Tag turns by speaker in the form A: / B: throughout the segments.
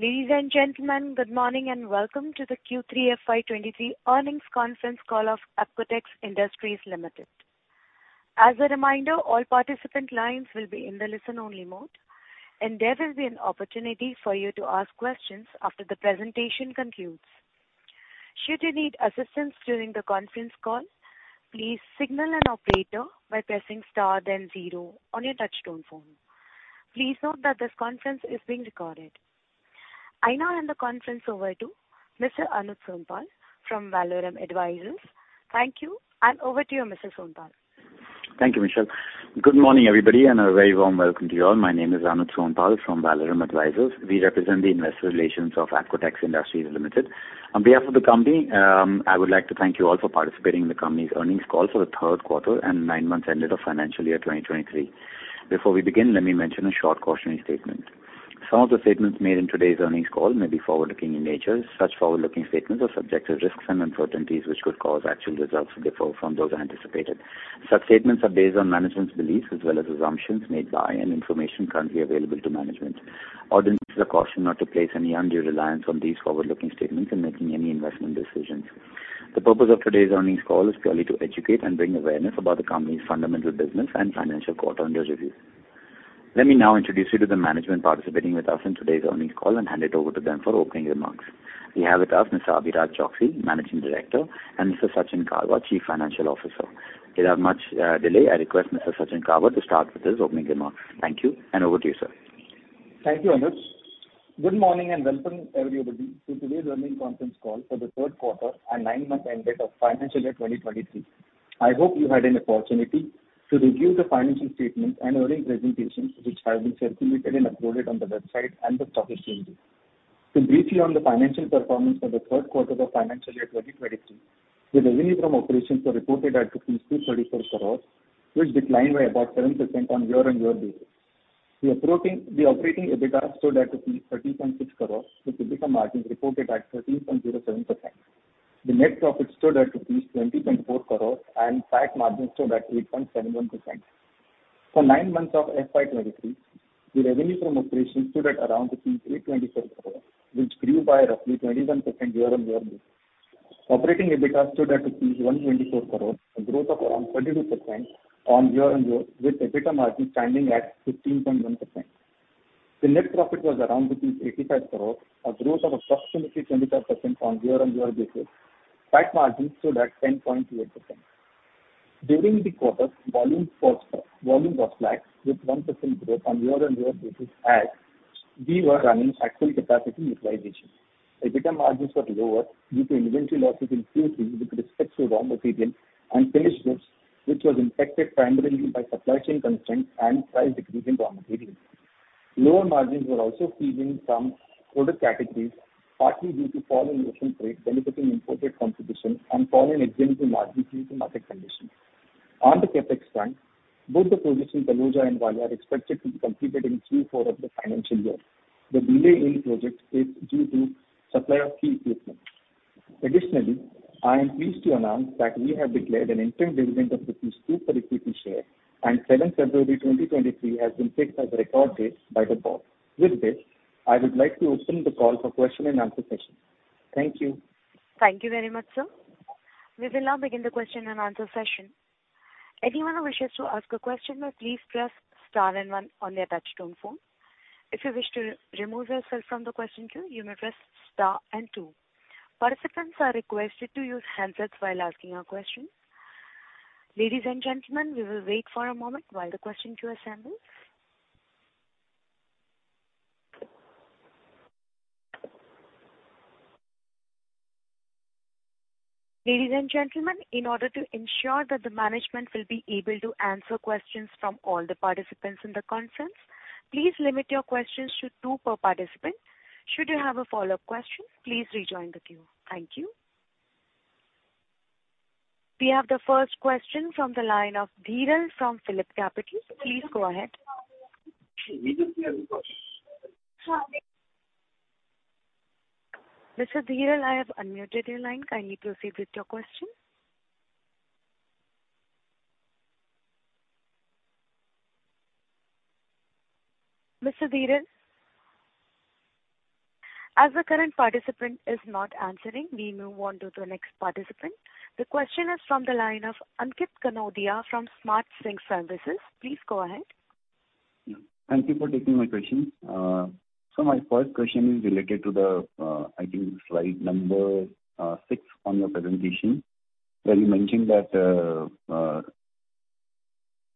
A: Ladies and gentlemen, good morning, and welcome to the Q3 FY23 Earnings Conference Call of Apcotex Industries Limited. As a reminder, all participant lines will be in the listen-only mode, and there will be an opportunity for you to ask questions after the presentation concludes. Should you need assistance during the conference call, please signal an operator by pressing star then 0 on your touchtone phone. Please note that this conference is being recorded. I now hand the conference over to Mr. Anuj Sonpal from Valorem Advisors. Thank you, and over to you, Mr. Sonpal.
B: Thank you, Michelle. Good morning, everybody, and a very warm welcome to you all. My name is Anuj Sonpal from Valorem Advisors. We represent the investor relations of Apcotex Industries Limited. On behalf of the company, I would like to thank you all for participating in the company's earnings call for the Q3 and nine months ended of financial year 2023. Before we begin, let me mention a short cautionary statement. Some of the statements made in today's earnings call may be forward-looking in nature. Such forward-looking statements are subject to risks and uncertainties, which could cause actual results to differ from those anticipated. Such statements are based on management's beliefs as well as assumptions made by and information currently available to management. Audience is cautioned not to place any undue reliance on these forward-looking statements in making any investment decisions. The purpose of today's earnings call is purely to educate and bring awareness about the company's fundamental business and financial quarter under review. Let me now introduce you to the management participating with us in today's earnings call and hand it over to them for opening remarks. We have with us Mr. Abhiraj Choksey, Managing Director, and Mr. Sachin Karwa, Chief Financial Officer. Without much delay, I request Mr. Sachin Karwa to start with his opening remarks. Thank you, and over to you, sir.
C: Thank you, Anuj. Good morning, welcome everybody to today's earnings conference call for the Q3 and nine-month ended of financial year 2023. I hope you had an opportunity to review the financial statement and earnings presentations which have been circulated and uploaded on the website and the stock exchanges. Briefly on the financial performance for the Q3 of financial year 2023, the revenue from operations were reported at 234 crores, which declined by about 7% on a year-on-year basis. The operating EBITDA stood at rupees 13.6 crores, with EBITDA margins reported at 13.07%. The net profit stood at rupees 20.4 crores, and PAT margin stood at 8.71%. For nine months of FY23, the revenue from operations stood at around INR 827 crores, which grew by roughly 21% year-on-year basis. Operating EBITDA stood at INR 124 crores, a growth of around 22% year-on-year, with EBITDA margin standing at 15.1%. The net profit was around 85 crores, a growth of approximately 25% year-on-year basis. PAT margin stood at 10.8%. During the quarter, volume was flat with 1% growth year-on-year basis as we were running at full capacity utilization. EBITDA margins were lower due to inventory losses increasing with respect to raw material and finished goods, which was impacted primarily by supply chain constraints and price decrease in raw materials. Lower margins were also seen in some product categories, partly due to fall in ocean freight benefiting imported contribution and fall in exemption margins due to market conditions. On the CapEx front, both the projects in Taloja and Valia are expected to be completed in Q4 of the financial year. The delay in projects is due to supply of key equipment. I am pleased to announce that we have declared an interim dividend of INR 2 per equity share, and February 7, 2023 has been fixed as a record date by the board. With this, I would like to open the call for question and answer session. Thank you.
A: Thank you very much, sir. We will now begin the question and answer session. Anyone who wishes to ask a question may please press star and one on their touchtone phone. If you wish to remove yourself from the question queue, you may press star and two. Participants are requested to use handsets while asking a question. Ladies and gentlemen, we will wait for a moment while the question queue assembles. Ladies and gentlemen, in order to ensure that the management will be able to answer questions from all the participants in the conference, please limit your questions to two per participant. Should you have a follow-up question, please rejoin the queue. Thank you. We have the first question from the line of Dhiral from PhillipCapital. Please go ahead. Mr. Dhiral, I have unmuted your line. Kindly proceed with your question. Mr. Dhiral? As the current participant is not answering, we move on to the next participant. The question is from the line of Ankit Kanodia from Smart Sync Services. Please go ahead.
D: Thank you for taking my question. My first question is related to the slide number 6 on your presentation, where you mentioned that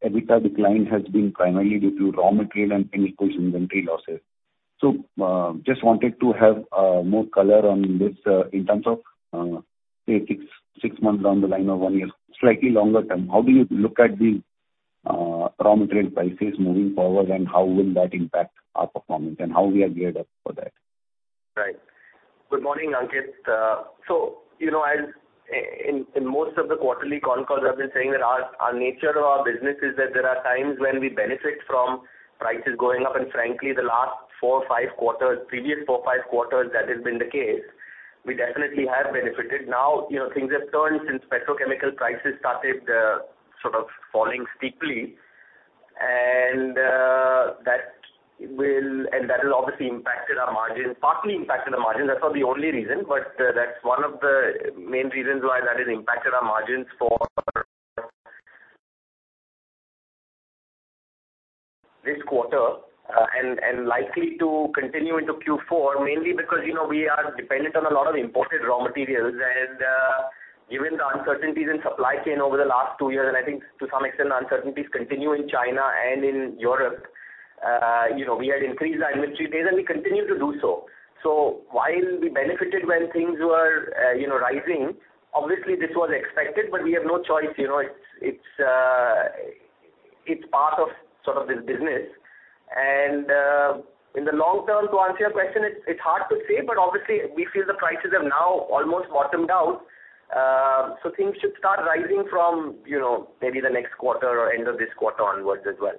D: EBITDA decline has been primarily due to raw material and finished goods inventory losses. Just wanted to have more color on this in terms of, say, 6 months down the line or 1 year, slightly longer term. How do you look at the raw material prices moving forward? How will that impact our performance, and how we are geared up for that?
C: Right. Good morning, Ankit. You know, as in most of the quarterly conference calls, I've been saying that our nature of our business is that there are times when we benefit from prices going up. Frankly, the last four or five quarters, previous four or five quarters, that has been the case. We definitely have benefited. You know, things have turned since petrochemical prices started, sort of falling steeply.
E: That will obviously impacted our margin, partly impacted the margin. That's not the only reason, but that's one of the main reasons why that has impacted our margins for this quarter, and likely to continue into Q4, mainly because, you know, we are dependent on a lot of imported raw materials. Given the uncertainties in supply chain over the last two years, and I think to some extent the uncertainties continue in China and in Europe, you know, we had increased our inventory days, and we continue to do so. While we benefited when things were, you know, rising, obviously this was expected, but we have no choice. You know, it's part of sort of this business. In the long term, to answer your question, it's hard to say, but obviously we feel the prices have now almost bottomed out. Things should start rising from, you know, maybe the next quarter or end of this quarter onwards as well.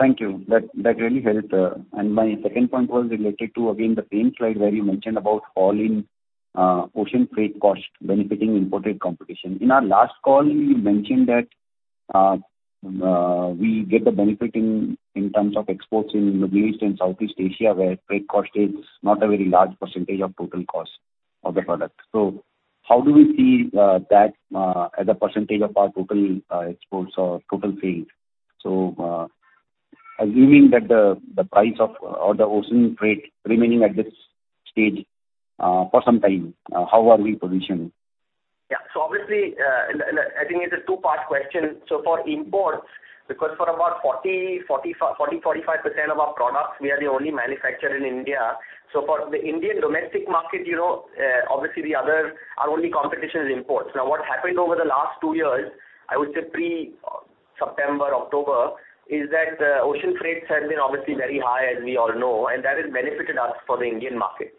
D: Thank you. That really helped. My second point was related to, again, the same slide where you mentioned about all in ocean freight cost benefiting imported competition. In our last call, you mentioned that we get the benefit in terms of exports in Middle East and Southeast Asia, where freight cost is not a very large percentage of total cost of the product. How do we see that as a percentage of our total exports or total sales? Assuming that the price of, or the ocean freight remaining at this stage, for some time, how are we positioned?
E: Yeah. Obviously, and I think it's a two-part question. For imports, because for about 40% to 45% of our products, we are the only manufacturer in India. For the Indian domestic market, you know, obviously the other... Our only competition is imports. What happened over the last two years, I would say pre-September, October, is that ocean freights have been obviously very high, as we all know, and that has benefited us for the Indian market.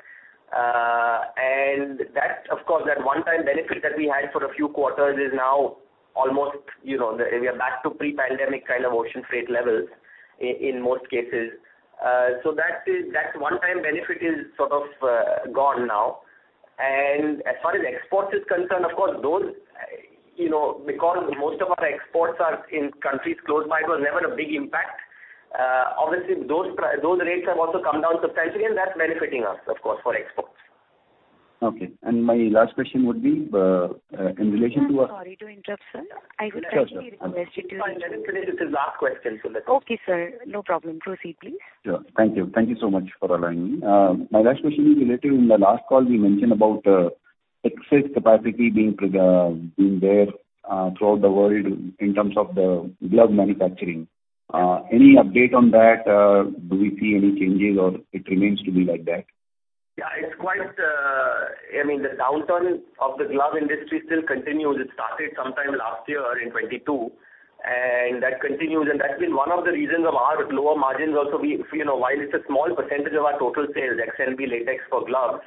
E: That's of course, that one-time benefit that we had for a few quarters is now almost, you know, we are back to pre-pandemic kind of ocean freight levels in most cases. That is, that one-time benefit is sort of, gone now. As far as exports is concerned, of course those, you know, because most of our exports are in countries close by, it was never a big impact. Obviously those rates have also come down substantially, and that's benefiting us of course for exports.
D: Okay. My last question would be.
A: I'm sorry to interrupt, sir.
D: Sure, sure.
A: I would like to request you.
E: It's fine. Let him finish. It's his last question, so let him-
A: Okay, sir. No problem. Proceed please.
D: Sure. Thank you. Thank you so much for allowing me. My last question is related, in the last call we mentioned about, excess capacity being there, throughout the world in terms of the glove manufacturing. Any update on that? Do we see any changes or it remains to be like that?
E: It's quite, I mean, the downturn of the glove industry still continues. It started sometime last year in 2022, That continues. That's been one of the reasons of our lower margins also. You know, while it's a small percentage of our total sales, XNB Latex for gloves,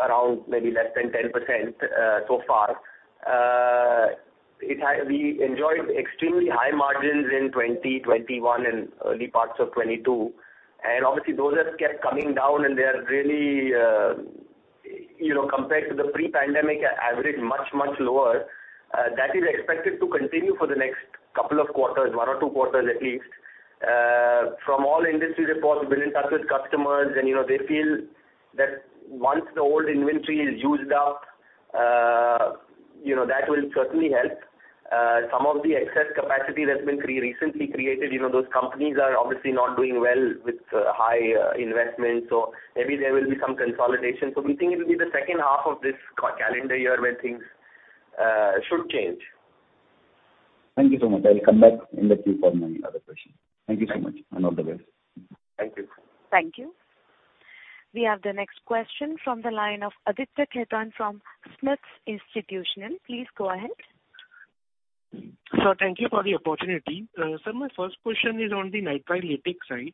E: around maybe less than 10% so far, we enjoyed extremely high margins in 2020, 2021, and early parts of 2022. Obviously those have kept coming down, and they are really, you know, compared to the pre-pandemic average, much, much lower. That is expected to continue for the next couple of quarters, one or two quarters at least. From all industry reports, we're in touch with customers and, you know, they feel that once the old inventory is used up, you know, that will certainly help. Some of the excess capacity that's been recently created, you know, those companies are obviously not doing well with high investments, so maybe there will be some consolidation. We think it'll be the second half of this calendar year when things should change.
D: Thank you so much. I'll come back in the queue for any other question. Thank you so much.
E: Thank you.
D: All the best.
E: Thank you.
A: Thank you. We have the next question from the line of Aditya Khetan from SMIFS Limited. Please go ahead.
F: Sir, thank you for the opportunity. Sir, my first question is on the Nitrile Latex side.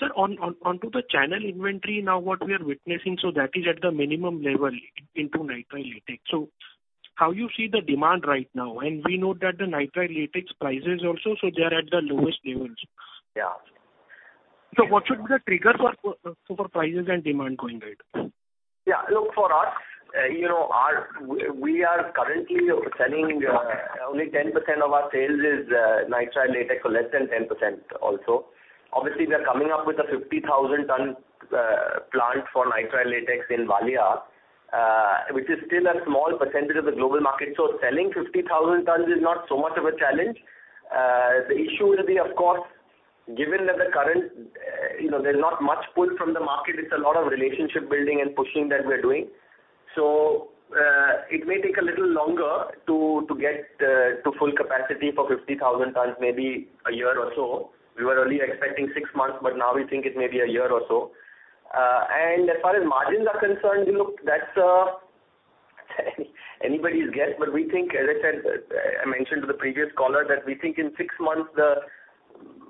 F: Sir, onto the channel inventory now what we are witnessing, that is at the minimum level into Nitrile Latex. How you see the demand right now? We know that the Nitrile Latex prices also, so they are at the lowest levels.
E: Yeah.
F: What should be the trigger for prices and demand going ahead?
E: Yeah. Look, for us, you know, we are currently selling only 10% of our sales is Nitrile Latex or less than 10% also. Obviously, we are coming up with a 50,000 ton plant for Nitrile Latex in Valia, which is still a small percentage of the global market. Selling 50,000 tons is not so much of a challenge. The issue will be, of course, given that the current, you know, there's not much pull from the market, it's a lot of relationship building and pushing that we are doing. It may take a little longer to get to full capacity for 50,000 tons, maybe a year or so. We were only expecting 6 months, but now we think it may be a year or so. As far as margins are concerned, look, that's anybody's guess. We think, as I said, I mentioned to the previous caller that we think in six months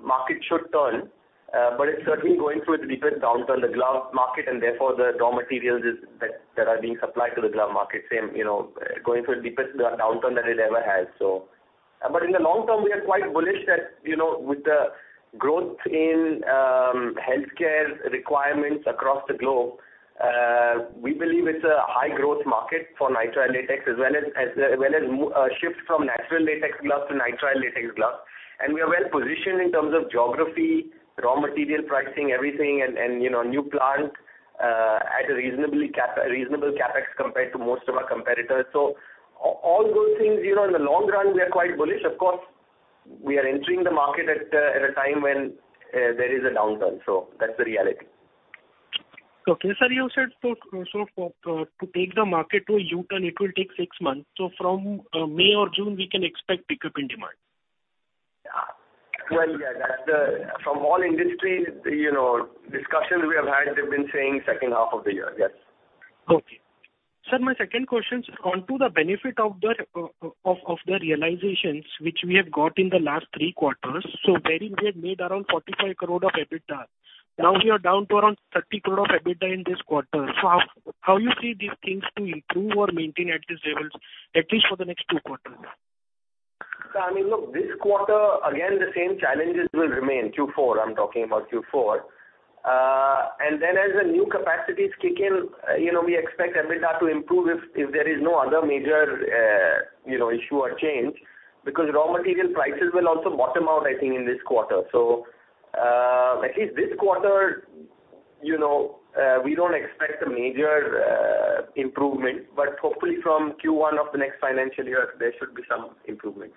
E: the market should turn. It's certainly going through a deeper downturn, the glove market and therefore the raw materials that are being supplied to the glove market, you know, going through a deeper downturn than it ever has. In the long term, we are quite bullish that, you know, with the growth in healthcare requirements across the globe, we believe it's a high growth market for Nitrile Latex, as well as shift from natural latex gloves to Nitrile Latex gloves. We are well-positioned in terms of geography, raw material pricing, everything and, you know, new plant at a reasonable CapEx compared to most of our competitors. All those things, you know, in the long run, we are quite bullish. Of course, we are entering the market at a time when there is a downturn. That's the reality.
F: Okay. Sir, you said, so for to take the market to U-turn, it will take six months. From May or June, we can expect pickup in demand.
E: Yeah. Well, yeah. From all industry, you know, discussions we have had, they've been saying second half of the year, yes.
F: Okay. Sir, my second question, on to the benefit of the realizations which we have got in the last three quarters, wherein we had made around 45 crore of EBITDA. Now, we are down to around 30 crore of EBITDA in this quarter. How you see these things to improve or maintain at this levels, at least for the next two quarters?
E: Sir, I mean, look, this quarter, again, the same challenges will remain. Q4, I'm talking about Q4. As the new capacities kick in, you know, we expect EBITDA to improve if there is no other major, you know, issue or change. Raw material prices will also bottom out, I think, in this quarter. At least this quarter, you know, we don't expect a major improvement, but hopefully from Q1 of the next financial year, there should be some improvements.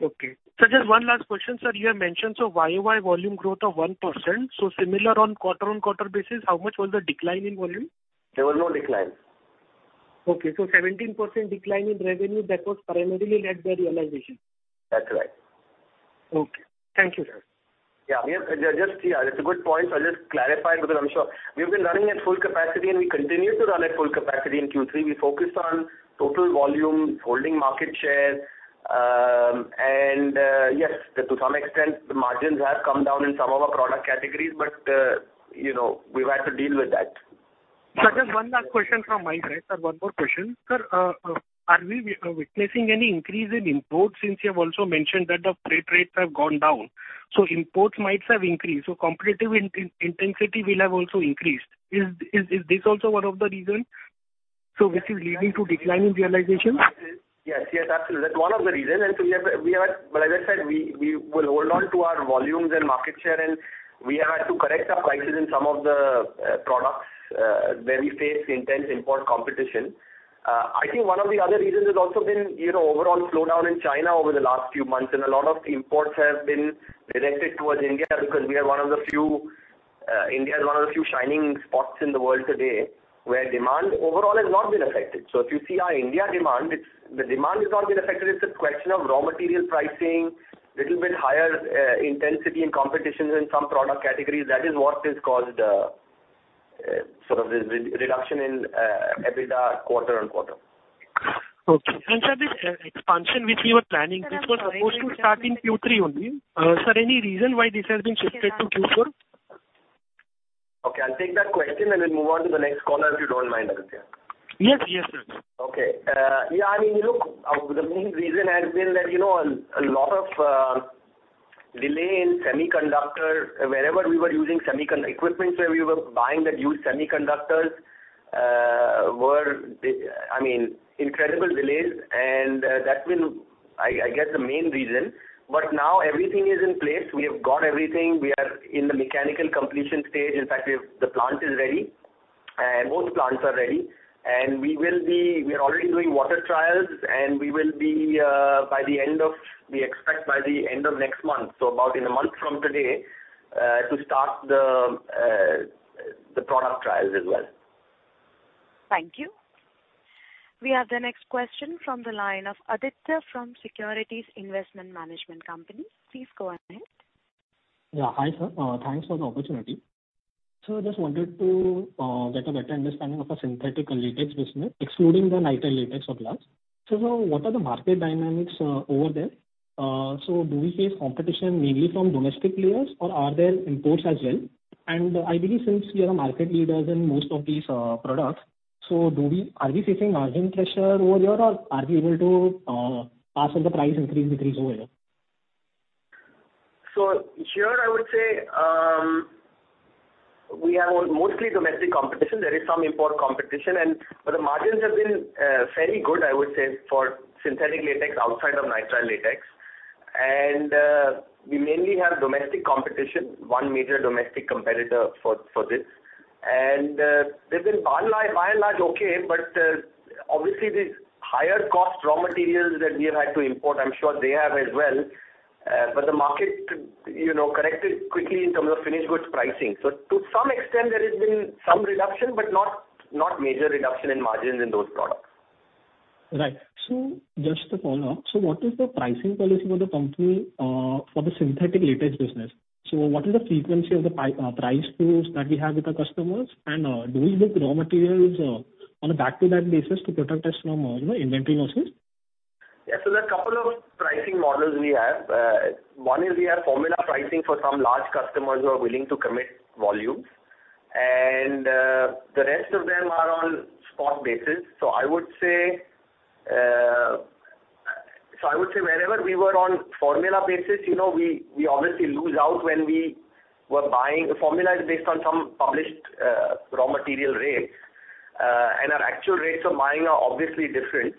F: Okay. Sir, just one last question. Sir, you have mentioned, so year-over-year volume growth of 1%, so similar on quarter-on-quarter basis, how much was the decline in volume?
E: There was no decline.
F: Okay. 17% decline in revenue, that was primarily led by realization.
E: That's right.
F: Okay. Thank you, sir.
E: Yeah, just, yeah, it's a good point. I'll just clarify because I'm sure. We've been running at full capacity, and we continue to run at full capacity in Q3. We focused on total volume, holding market share. Yes, to some extent, the margins have come down in some of our product categories, but, you know, we've had to deal with that.
F: Sir, just one last question from my side. Sir, one more question. Sir, are we witnessing any increase in imports since you have also mentioned that the freight rates have gone down? Imports might have increased, so competitive intensity will have also increased. Is this also one of the reason, so which is leading to decline in realization?
E: Yes. Yes, absolutely. That's one of the reasons. We have. As I said, we will hold on to our volumes and market share, and we have had to correct our prices in some of the products where we face intense import competition. I think one of the other reasons has also been, you know, overall slowdown in China over the last few months. A lot of imports have been directed towards India because we are one of the few, India is one of the few shining spots in the world today where demand overall has not been affected. If you see our India demand, it's the demand has not been affected. It's a question of raw material pricing, little bit higher, intensity in competition in some product categories. That is what has caused, sort of this re-reduction in EBITDA quarter-on-quarter.
F: Okay. Sir, this expansion which we were planning, which was supposed to start in Q3 only, sir, any reason why this has been shifted to Q4?
E: Okay, I'll take that question, and we'll move on to the next caller, if you don't mind, Akanshya.
F: Yes. Yes, sir.
E: Okay. Yeah, I mean, look, the main reason has been that, you know, a lot of delay in equipments where we were buying that used semiconductors, were, I mean, incredible delays and that's been I guess, the main reason. Now everything is in place. We have got everything. We are in the mechanical completion stage. In fact, the plant is ready. Both plants are ready. We are already doing water trials, and we will be by the end of, we expect by the end of next month, so about in a month from today, to start the product trials as well.
A: Thank you. We have the next question from the line of Aditya from Securities Investment Management Company. Please go ahead.
G: Yeah. Hi, sir. Thanks for the opportunity. Just wanted to get a better understanding of the synthetic and latex business, excluding the Nitrile Latex or gloves. Now, what are the market dynamics over there? Do we face competition mainly from domestic players or are there imports as well? I believe since you are market leaders in most of these products, are we facing margin pressure over here or are we able to pass on the price increase, decrease over here?
E: Here I would say, we have mostly domestic competition. There is some import competition. The margins have been fairly good, I would say, for synthetic latex outside of Nitrile Latex. We mainly have domestic competition, one major domestic competitor for this. They've been by and large okay, but obviously the higher cost raw materials that we have had to import, I'm sure they have as well. The market, you know, corrected quickly in terms of finished goods pricing. To some extent there has been some reduction, but not major reduction in margins in those products.
F: Right. Just a follow-up. What is the pricing policy for the company, for the synthetic latex business? What is the frequency of the price pools that we have with the customers? Do we book raw materials on a back-to-back basis to protect us from, you know, inventory losses?
E: There are 2 pricing models we have. One is we have formula pricing for some large customers who are willing to commit volumes. And the rest of them are on spot basis. I would say wherever we were on formula basis, you know, we obviously lose out when we were buying. A formula is based on some published raw material rates, and our actual rates of buying are obviously different.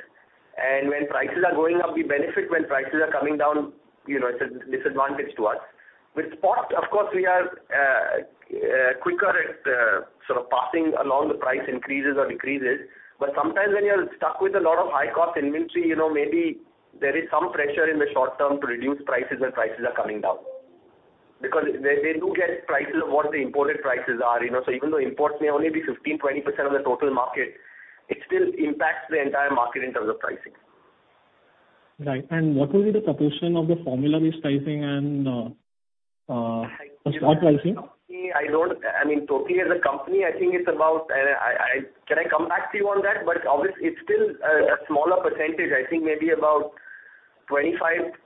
E: When prices are going up, we benefit. When prices are coming down, you know, it's a disadvantage to us. With spot, of course, we are quicker at sort of passing along the price increases or decreases. Sometimes when you are stuck with a lot of high-cost inventory, you know, maybe there is some pressure in the short term to reduce prices when prices are coming down. They do get prices of what the imported prices are, you know. Even though imports may only be 15%, 20% of the total market, it still impacts the entire market in terms of pricing.
F: Right. What will be the proportion of the formula-based pricing and the spot pricing?
E: I don't. I mean, totally as a company, I think it's about. Can I come back to you on that? Obvious- it's still a smaller percentage. I think maybe about 25%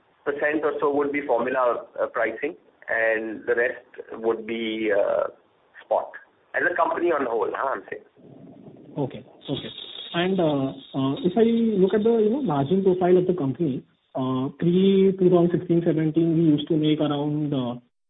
E: or so would be formula pricing, and the rest would be spot. As a company on the whole, I'm saying.
F: Okay. Okay. If I look at the, you know, margin profile of the company, three to around 16, 17, we used to make around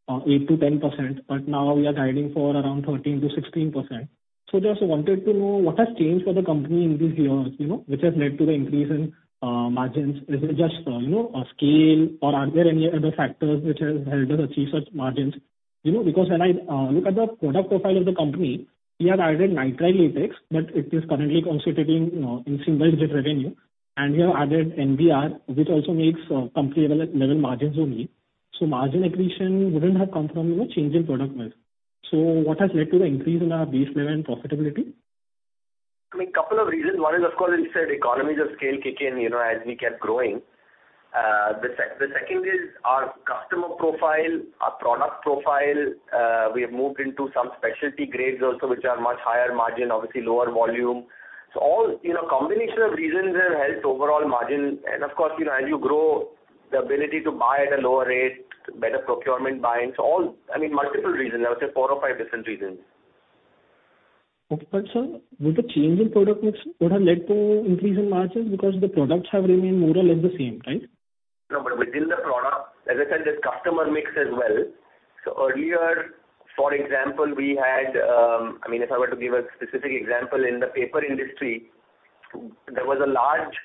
F: 8%-10%, but now we are guiding for around 13%-16%. Just wanted to know what has changed for the company in these years, you know, which has led to the increase in margins. Is it just, you know, a scale, or are there any other factors which have helped us achieve such margins? You know, because when I look at the product profile of the company, we have added Nitrile Latex, but it is currently constituting, you know, in single-digit revenue. We have added NBR, which also makes comparable at level margins only. Margin accretion wouldn't have come from, you know, change in product mix. What has led to the increase in our base level and profitability?
E: I mean, couple of reasons. One is, of course, as you said, economies of scale kick in, you know, as we kept growing. The second is our customer profile, our product profile. We have moved into some specialty grades also, which are much higher margin, obviously lower volume. All, you know, combination of reasons have helped overall margin. Of course, you know, as you grow, the ability to buy at a lower rate, better procurement buy-ins, all, I mean, multiple reasons. I would say four or five different reasons.
F: Okay. Sir, would the change in product mix would have led to increase in margins? The products have remained more or less the same, right?
E: But within the product, as I said, there's customer mix as well. Earlier, for example, we had, I mean, if I were to give a specific example, in the paper industry, there was a large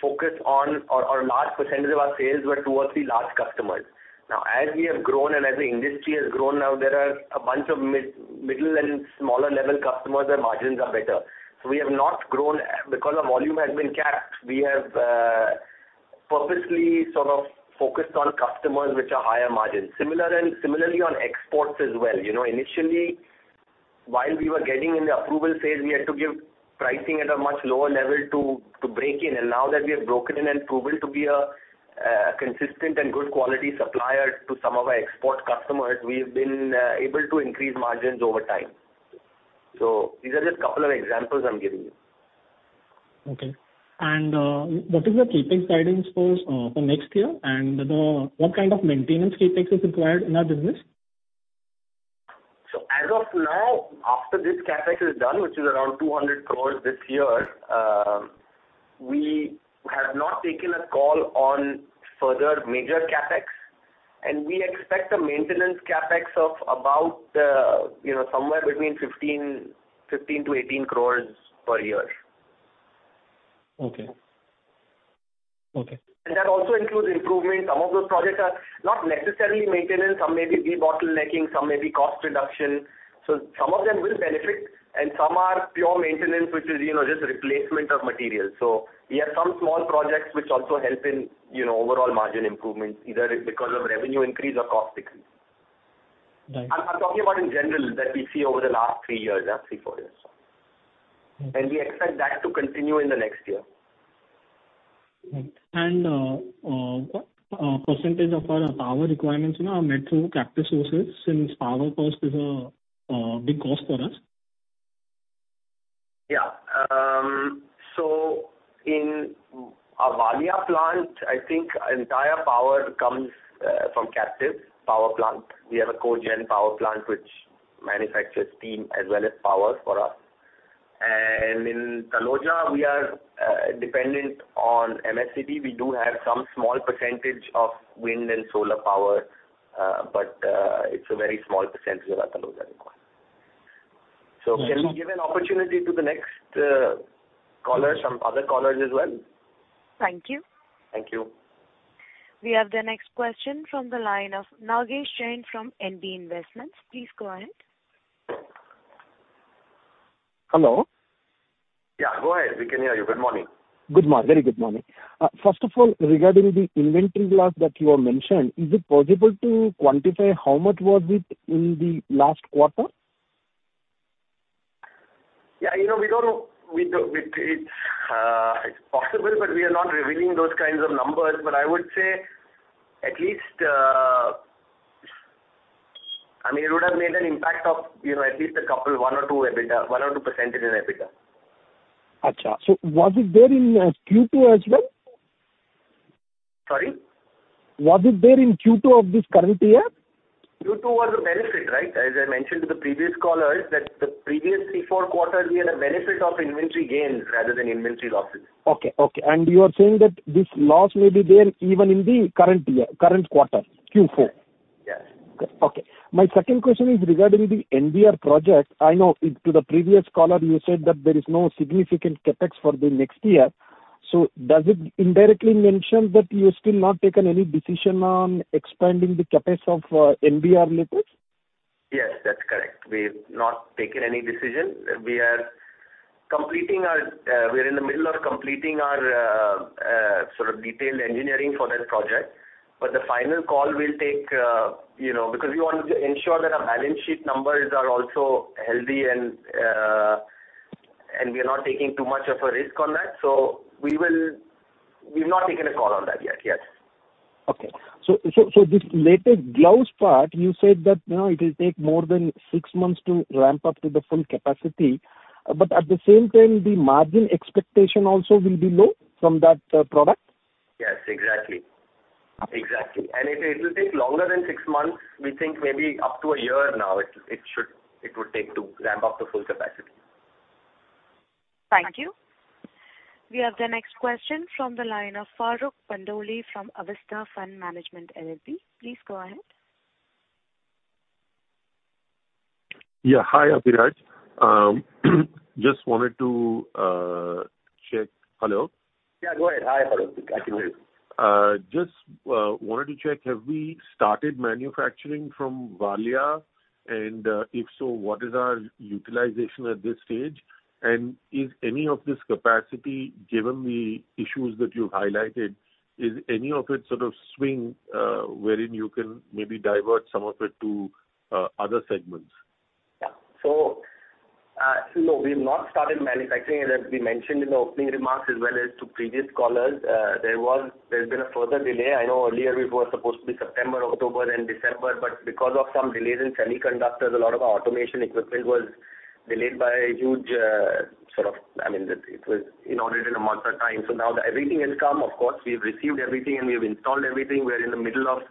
E: focus on or large percentage of our sales were towards the large customers. As we have grown and as the industry has grown, now there are a bunch of middle and smaller level customers, their margins are better. We have not grown. Our volume has been capped, we have purposely sort of focused on customers which are higher margin. Similarly on exports as well. You know, initially, while we were getting in the approval phase, we had to give pricing at a much lower level to break in. Now that we have broken in and proven to be a consistent and good quality supplier to some of our export customers, we've been able to increase margins over time. These are just couple of examples I'm giving you.
F: Okay. What is the CapEx guidance for next year? What kind of maintenance CapEx is required in our business?
E: As of now, after this CapEx is done, which is around 200 crore this year, we have not taken a call on further major CapEx, and we expect a maintenance CapEx of about, you know, somewhere between 15-18 crore per year.
F: Okay. Okay.
E: That also includes improvement. Some of those projects are not necessarily maintenance. Some may be de-bottlenecking, some may be cost reduction. Some of them will benefit, and some are pure maintenance, which is, you know, just replacement of materials. We have some small projects which also help in, you know, overall margin improvement, either it's because of revenue increase or cost decrease.
F: Right.
E: I'm talking about in general that we see over the last 3 years, 3, 4 years.
F: Okay.
E: We expect that to continue in the next year.
F: Right. What % of our power requirements, you know, are met through captive sources since power cost is a big cost for us?
E: Yeah. In our Valia plant, I think entire power comes from captive power plant. We have a cogen power plant which manufactures steam as well as power for us. In Taloja, we are dependent on MIDC. We do have some small percentage of wind and solar power, but it's a very small percentage of our Taloja requirement.
F: Right.
E: Can we give an opportunity to the next caller, some other callers as well?
A: Thank you.
E: Thank you.
A: We have the next question from the line of Nagesh Jain from NB Investments. Please go ahead.
H: Hello.
E: Yeah, go ahead. We can hear you. Good morning.
H: Very good morning. First of all, regarding the inventory loss that you have mentioned, is it possible to quantify how much was it in the last quarter?
E: Yeah, you know, we don't. It's possible, we are not revealing those kinds of numbers. I would say at least, I mean, it would have made an impact of, you know, at least a couple, 1% or 2% in EBITDA.
H: was it there in Q2 as well?
E: Sorry?
H: Was it there in Q2 of this current year?
E: Q2 was a benefit, right? As I mentioned to the previous callers, that the previous three, four quarters, we had a benefit of inventory gains rather than inventory losses.
H: Okay. Okay. You are saying that this loss may be there even in the current year, current quarter, Q4?
E: Yes. Yes.
H: Okay. My second question is regarding the NBR project. I know to the previous caller, you said that there is no significant CapEx for the next year. Does it indirectly mention that you're still not taken any decision on expanding the CapEx of NBR latex?
E: Yes, that's correct. We've not taken any decision. We are completing our, we are in the middle of completing our, sort of detailed engineering for that project. The final call will take, you know, because we want to ensure that our balance sheet numbers are also healthy and we are not taking too much of a risk on that. We've not taken a call on that yet. Yes.
H: This latest gloves part, you said that, you know, it'll take more than 6 months to ramp up to the full capacity. At the same time, the margin expectation also will be low from that product?
E: Yes, exactly. Exactly. It will take longer than 6 months. We think maybe up to a year now, it would take to ramp up to full capacity.
A: Thank you. We have the next question from the line of Farokh Pandole from Avestha Fund Management LLP. Please go ahead.
I: Yeah. Hi, Abhiraj. just wanted to check... Hello?
E: Yeah, go ahead. Hi, Farokh.
I: Just wanted to check, have we started manufacturing from Valia? If so, what is our utilization at this stage? Is any of this capacity, given the issues that you highlighted, is any of it sort of swing, wherein you can maybe divert some of it to other segments?
E: Yeah. No, we've not started manufacturing. As we mentioned in the opening remarks as well as to previous callers, there's been a further delay. I know earlier it was supposed to be September, October and December, but because of some delays in semiconductors, a lot of our automation equipment was delayed by a huge, sort of, I mean, it was in order to monitor time. Now the everything has come. Of course, we've received everything, and we have installed everything. We are in the middle of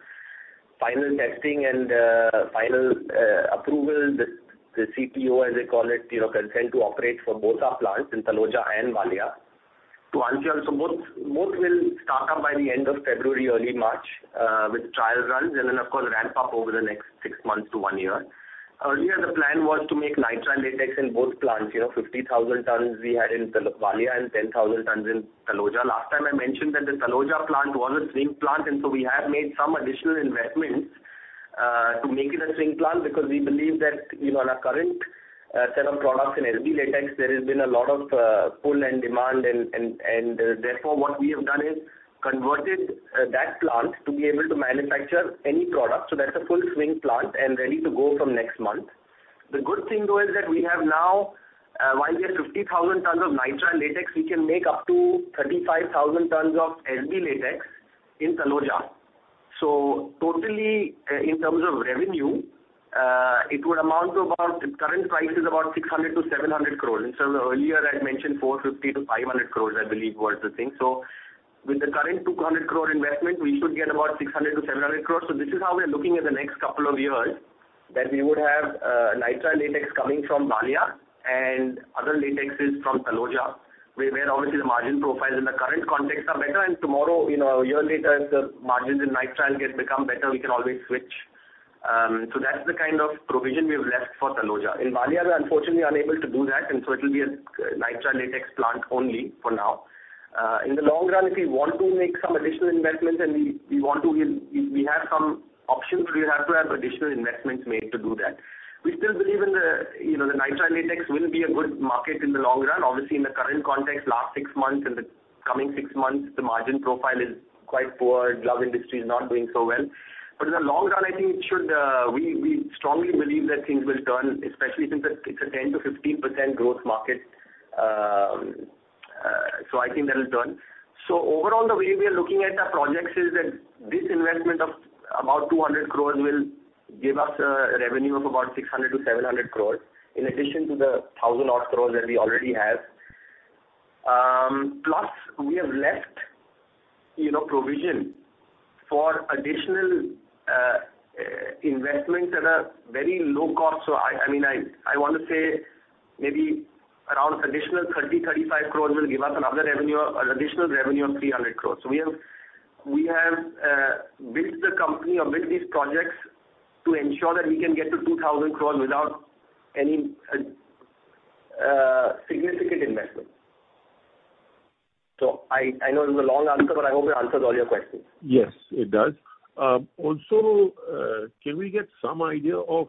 E: final testing and final approval. The CTO, as they call it, you know, consent to operate for both our plants in Taloja and Valia. To answer your, both will start up by the end of February, early March, with trial runs and then of course ramp up over the next six months to one year. Earlier, the plan was to make Nitrile Latex in both plants. You know, 50,000 tons we had in Valia and 10,000 tons in Taloja. Last time I mentioned that the Taloja plant was a swing plant, we have made some additional investments to make it a swing plant because we believe that, you know, on our current set of products in SB Latex, there has been a lot of pull and demand and, therefore, what we have done is converted that plant to be able to manufacture any product. That's a full swing plant and ready to go from next month. The good thing though is that we have now, while we have 50,000 tons of Nitrile Latex, we can make up to 35,000 tons of SB Latex in Taloja. Totally, in terms of revenue, it would amount to about, the current price is about 600 crore-700 crore. Earlier I had mentioned 450 crore-500 crore, I believe was the thing. With the current 200 crore investment, we should get about 600 crore-700 crore. This is how we're looking at the next couple of years that we would have, Nitrile Latex coming from Valia and other latexes from Taloja, where obviously the margin profiles in the current context are better and tomorrow, you know, a year later, if the margins in Nitrile get become better, we can always switch. That's the kind of provision we've left for Taloja. In Valia, we're unfortunately unable to do that, and so it'll be a Nitrile Latex plant only for now. In the long run, if we want to make some additional investments and we want to, we have some options, we have to have additional investments made to do that. We still believe in the, you know, the Nitrile Latex will be a good market in the long run. Obviously, in the current context, last 6 months and the coming 6 months, the margin profile is quite poor. Glove industry is not doing so well. In the long run, I think it should. We strongly believe that things will turn, especially since it's a 10%-15% growth market. I think that'll turn. Overall, the way we are looking at our projects is that this investment of about 200 crores will give us a revenue of about 600 crores-700 crores in addition to the 1,000 odd crores that we already have. Plus we have left, you know, provision for additional investments at a very low cost. I mean, I want to say maybe around additional 30 crores-35 crores will give us another revenue or an additional revenue of 300 crores. We have built the company or built these projects to ensure that we can get to 2,000 crores without any significant investment. I know it was a long answer, but I hope it answers all your questions.
I: Yes, it does. Also, can we get some idea of,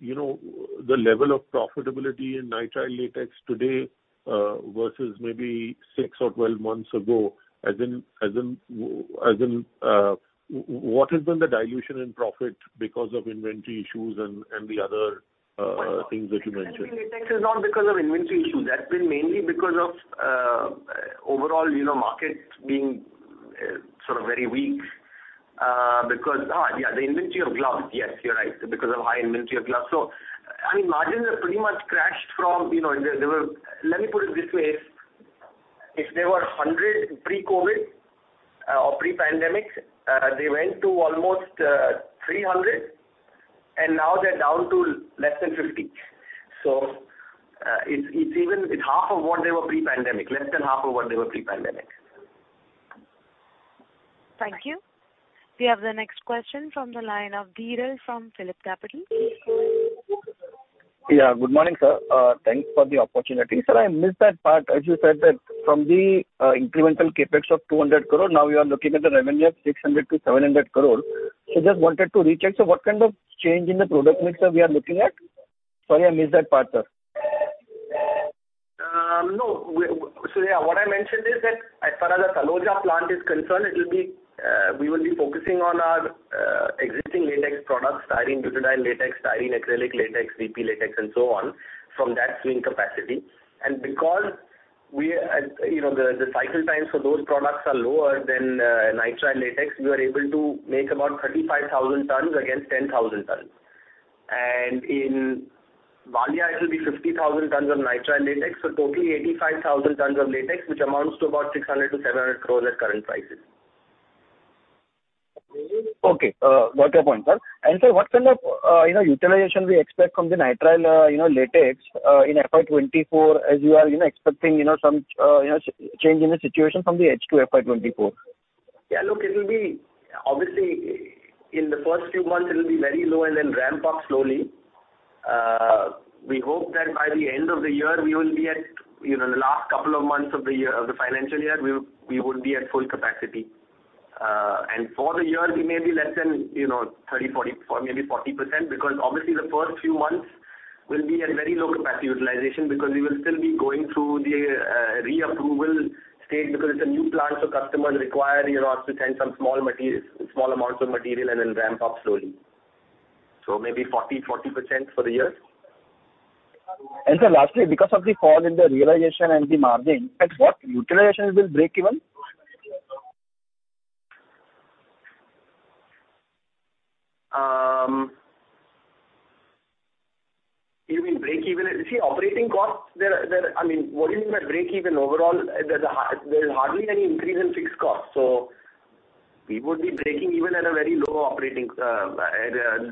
I: you know, the level of profitability in Nitrile Latex today, versus maybe six or 12 months ago? As in, what has been the dilution in profit because of inventory issues and the other things that you mentioned?
E: SB Latex is not because of inventory issues. That's been mainly because of, overall, you know, markets being, sort of very weak. Yeah, the inventory of gloves. Yes, you're right. Because of high inventory of gloves. I mean, margins have pretty much crashed from, you know, they were. Let me put it this way. If there were 100 pre-COVID, or pre-pandemic, they went to almost, 300, and now they're down to less than 50. It's half of what they were pre-pandemic, less than half of what they were pre-pandemic.
A: Thank you. We have the next question from the line of Dhiral from PhillipCapital.
J: Yeah, good morning, sir. Thanks for the opportunity. Sir, I missed that part, as you said that from the incremental CapEx of 200 crore, now you are looking at the revenue of 600 crore-700 crore. Just wanted to recheck. What kind of change in the product mix are we looking at? Sorry, I missed that part, sir.
E: No. Yeah, what I mentioned is that as far as the Taloja plant is concerned, it'll be, we will be focusing on our existing latex products, Styrene Butadiene Latex, Styrene Acrylic Latex, VP Latex and so on, from that swing capacity. Because we, you know, the cycle times for those products are lower than Nitrile Latex, we are able to make about 35,000 tons against 10,000 tons. In Valia, it will be 50,000 tons of Nitrile Latex, totally 85,000 tons of latex, which amounts to about 600 crore to 700 crore at current prices.
J: Okay. Got your point, sir. Sir, what kind of, you know, utilization we expect from the Nitrile Latex, in FY 2024 as you are, you know, expecting, you know, some, you know, change in the situation from the H2 FY 2024?
E: Look, it'll be. Obviously, in the first few months it'll be very low and then ramp up slowly. We hope that by the end of the year we will be at, you know, in the last couple of months of the year, of the financial year, we would be at full capacity. For the year, we may be less than, you know, 30%, 40%, maybe 40% because obviously the first few months will be at very low capacity utilization because we will still be going through the reapproval stage because it's a new plant, so customers require, you know, us to send some small amounts of material and then ramp up slowly. Maybe 40% for the year.
J: Sir, lastly, because of the fall in the realization and the margin, at what utilization will break even?
E: You mean break even? Operating costs, there are. I mean, what do you mean by break even overall? There's hardly any increase in fixed costs. We would be breaking even at a very low operating,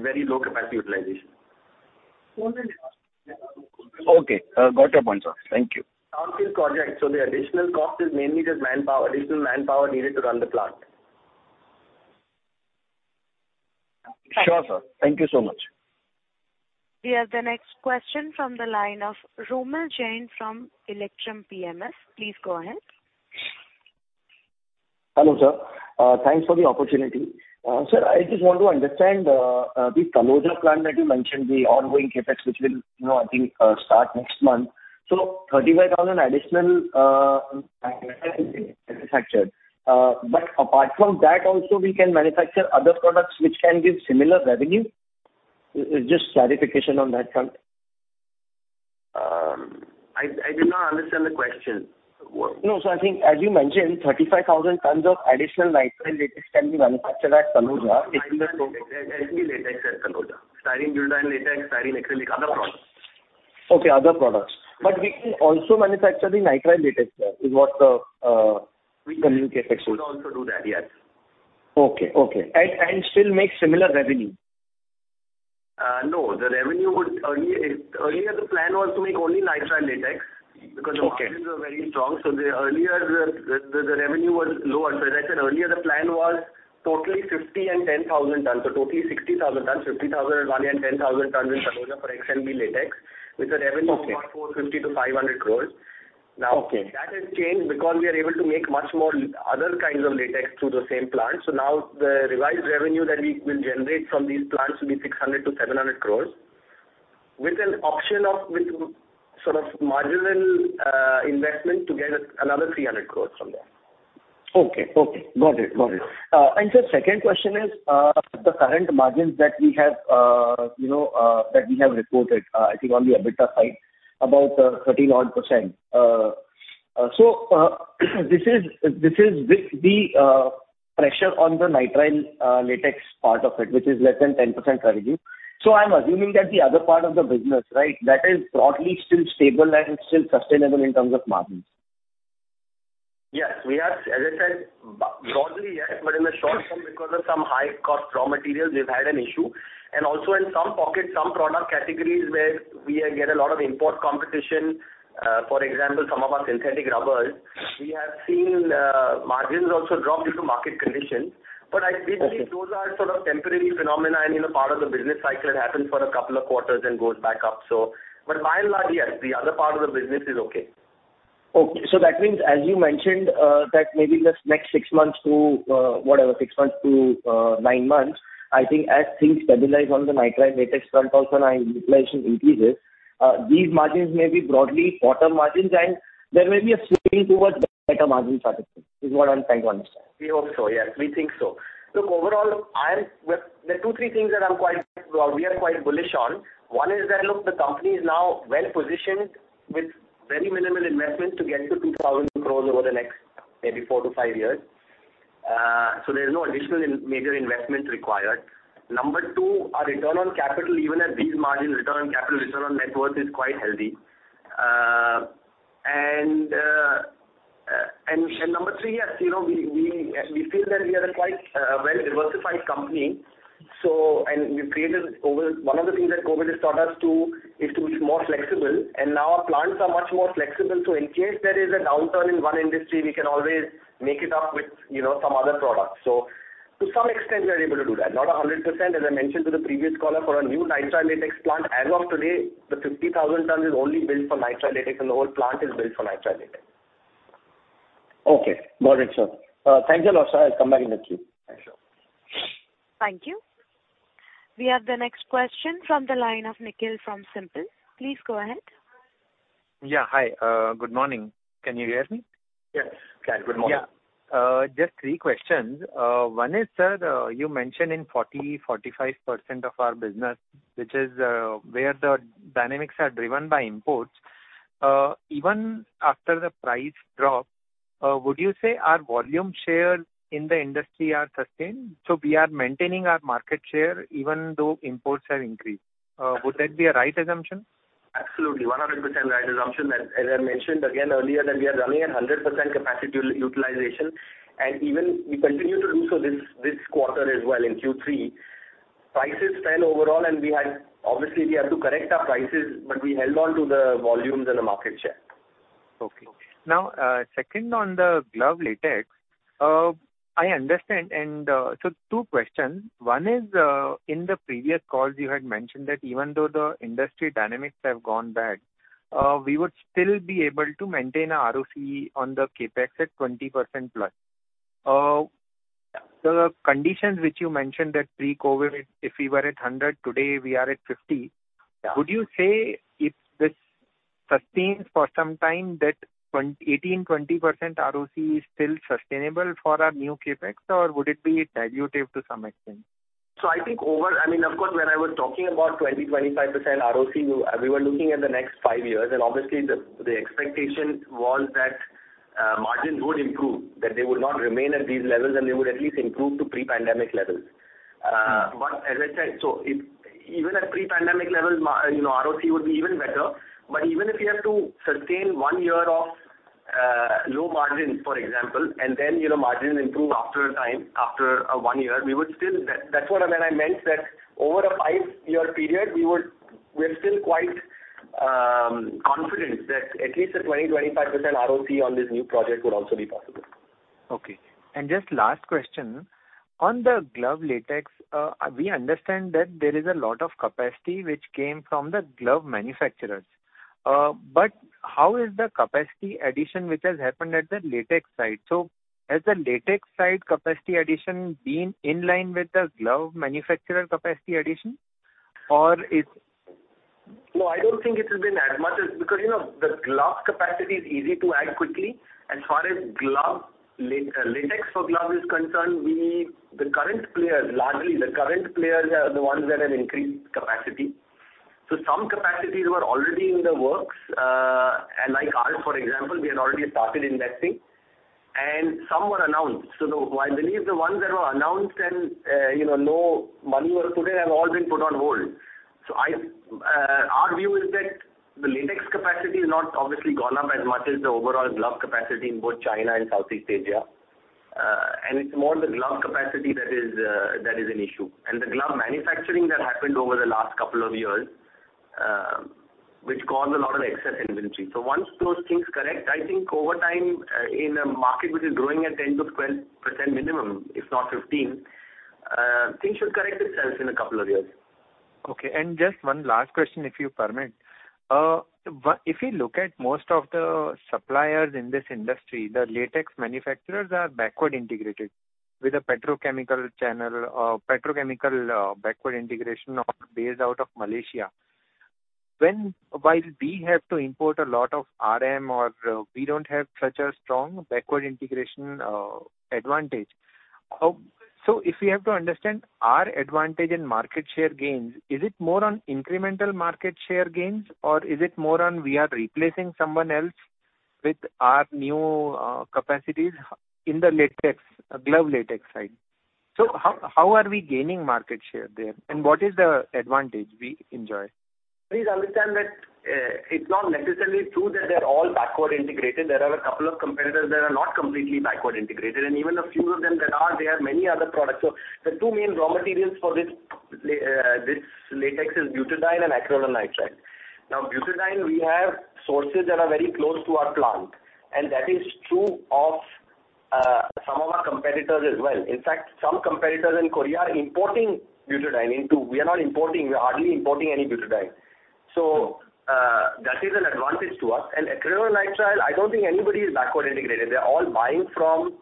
E: very low capacity utilization.
J: Okay. got your point, sir. Thank you.
E: The additional cost is mainly just manpower, additional manpower needed to run the plant.
J: Sure, sir. Thank you so much.
A: We have the next question from the line of Romil Jain from Electrum PMS. Please go ahead.
K: Hello, sir. Thanks for the opportunity. Sir, I just want to understand the Taloja plant that you mentioned, the ongoing CapEx which will, you know, I think, start next month. 35,000 additional nitrile will be manufactured. Apart from that also we can manufacture other products which can give similar revenue. Just clarification on that front?
E: I did not understand the question.
K: No, sir. I think as you mentioned, 35,000 tons of additional Nitrile Latex can be manufactured at Taloja. XNB Latex at Taloja. Styrene Butadiene Latex, Styrene Acrylic, other products.
E: Okay, other products. We can also manufacture the Nitrile Latex, sir, is what the communication was. We could also do that, yes.
K: Okay. Okay. And still make similar revenue?
E: No, the revenue would earlier... Earlier, the plan was to make only Nitrile Latex because the margins were very strong. Okay. The earlier the revenue was lower. As I said earlier, the plan was totally 50 and 10,000 tons, totally 60,000 tons. 50,000 at Vadodara and 10,000 tons in Taloja for XNB Latex. Okay. With a revenue of about 450 crores-500 crores. Okay. That has changed because we are able to make much more other kinds of latex through the same plant. The revised revenue that we will generate from these plants will be 600 crores-700 crores, with an option of, with sort of marginal investment to get another 300 crores from there.
K: Okay. Okay. Got it. Got it. Sir, second question is, the current margins that we have, that we have reported, I think on the EBITDA side about 13 odd %. This is with the pressure on the Nitrile Latex part of it, which is less than 10% revenue. I'm assuming that the other part of the business, right, that is broadly still stable and still sustainable in terms of margins.
E: Yes. We have, as I said, broadly, yes. In the short term, because of some high cost raw materials, we've had an issue. Also in some pockets, some product categories where we get a lot of import competition, for example, some of our synthetic rubbers, we have seen margins also drop due to market conditions. I believe. Okay. those are sort of temporary phenomena and, you know, part of the business cycle. It happens for two quarters and goes back up, so. By and large, yes, the other part of the business is okay.
K: Okay. That means, as you mentioned, that maybe in the next 6 months to 9 months, I think as things stabilize on the Nitrile Latex front also and utilization increases, these margins may be broadly bottom margins and there may be a swinging towards better margins afterwards, is what I'm trying to understand.
E: We hope so. Yes, we think so. Look, overall, there are two, three things that I'm quite, we are quite bullish on. One is that, look, the company is now well-positioned with very minimal investment to get to 2,000 crores over the next maybe 4 to 5 years. There's no additional major investment required. Number two, our return on capital, even at these margins, return on capital, return on net worth is quite healthy. Number three, yes, you know, we feel that we are a quite well-diversified company. We've created. One of the things that COVID has taught us to is to be more flexible, and now our plants are much more flexible. In case there is a downturn in one industry, we can always make it up with, you know, some other products. To some extent, we are able to do that, not 100%. As I mentioned to the previous caller, for a new Nitrile Latex plant, as of today, the 50,000 tons is only built for Nitrile Latex, and the whole plant is built for Nitrile Latex.
K: Okay. Got it, sir. Thank you a lot, sir. I'll come back in the queue. Thank you.
A: Thank you. We have the next question from the line of Nikhil from Simple. Please go ahead.
L: Yeah. Hi. good morning. Can you hear me?
E: Yes. Can. Good morning.
L: Just three questions. One is, sir, you mentioned in 40%-45% of our business, which is, where the dynamics are driven by imports. Even after the price drop, would you say our volume shares in the industry are sustained? We are maintaining our market share even though imports have increased. Would that be a right assumption?
E: Absolutely. 100% right assumption. As I mentioned again earlier, that we are running at 100% capacity utilization, and even we continue to do so this quarter as well in Q3. Prices fell overall, and Obviously, we had to correct our prices, but we held on to the volumes and the market share.
L: Okay. Now, second on the glove latex. I understand and, so two questions. One is, in the previous calls you had mentioned that even though the industry dynamics have gone bad, we would still be able to maintain our ROC on the CapEx at 20% plus. The conditions which you mentioned that pre-COVID, if we were at 100, today we are at 50.
E: Yeah.
L: Would you say if this sustains for some time that 18%, 20% ROC is still sustainable for our new CapEx, or would it be dilutive to some extent?
E: I mean, of course, when I was talking about 20-25% ROC, we were looking at the next five years, and obviously the expectation was that margins would improve, that they would not remain at these levels and they would at least improve to pre-pandemic levels.
L: Mm-hmm.
E: As I said, if even at pre-pandemic levels, you know, ROC would be even better. Even if we have to sustain one year of low margins, for example, and then, you know, margins improve after a time, after one year, we would still. That's what when I meant that over a five-year period, we're still quite confident that at least a 20%-25% ROC on this new project would also be possible.
L: Okay. Just last question. On the glove latex, we understand that there is a lot of capacity which came from the glove manufacturers. How is the capacity addition which has happened at the latex side? Has the latex side capacity addition been in line with the glove manufacturer capacity addition, or it's?
E: I don't think it has been as much as. You know, the glove capacity is easy to add quickly. As far as glove latex for glove is concerned, we, the current players, largely the current players are the ones that have increased capacity. Some capacities were already in the works. Like ours, for example, we had already started investing, and some were announced. The, I believe the ones that were announced and, you know, no money was put in, have all been put on hold. Our view is that the latex capacity has not obviously gone up as much as the overall glove capacity in both China and Southeast Asia. It's more the glove capacity that is an issue. The glove manufacturing that happened over the last couple of years, which caused a lot of excess inventory. Once those things correct, I think over time, in a market which is growing at 10% to 12% minimum, if not 15%, things should correct itself in a couple of years.
L: Okay. Just one last question, if you permit. If you look at most of the suppliers in this industry, the latex manufacturers are backward integrated with a petrochemical channel, petrochemical backward integration all based out of Malaysia. While we have to import a lot of RM or, we don't have such a strong backward integration advantage. If we have to understand our advantage in market share gains, is it more on incremental market share gains, or is it more on we are replacing someone else with our new capacities in the latex, glove latex side? How are we gaining market share there, and what is the advantage we enjoy?
E: Please understand that it's not necessarily true that they're all backward integrated. There are a couple of competitors that are not completely backward integrated, and even a few of them that are, they have many other products. The two main raw materials for this latex is butadiene and acrylonitrile. Butadiene, we have sources that are very close to our plant, and that is true of some of our competitors as well. In fact, some competitors in Korea are importing butadiene into... We are not importing, we are hardly importing any butadiene. That is an advantage to us. Acrylonitrile, I don't think anybody is backward integrated. They're all buying from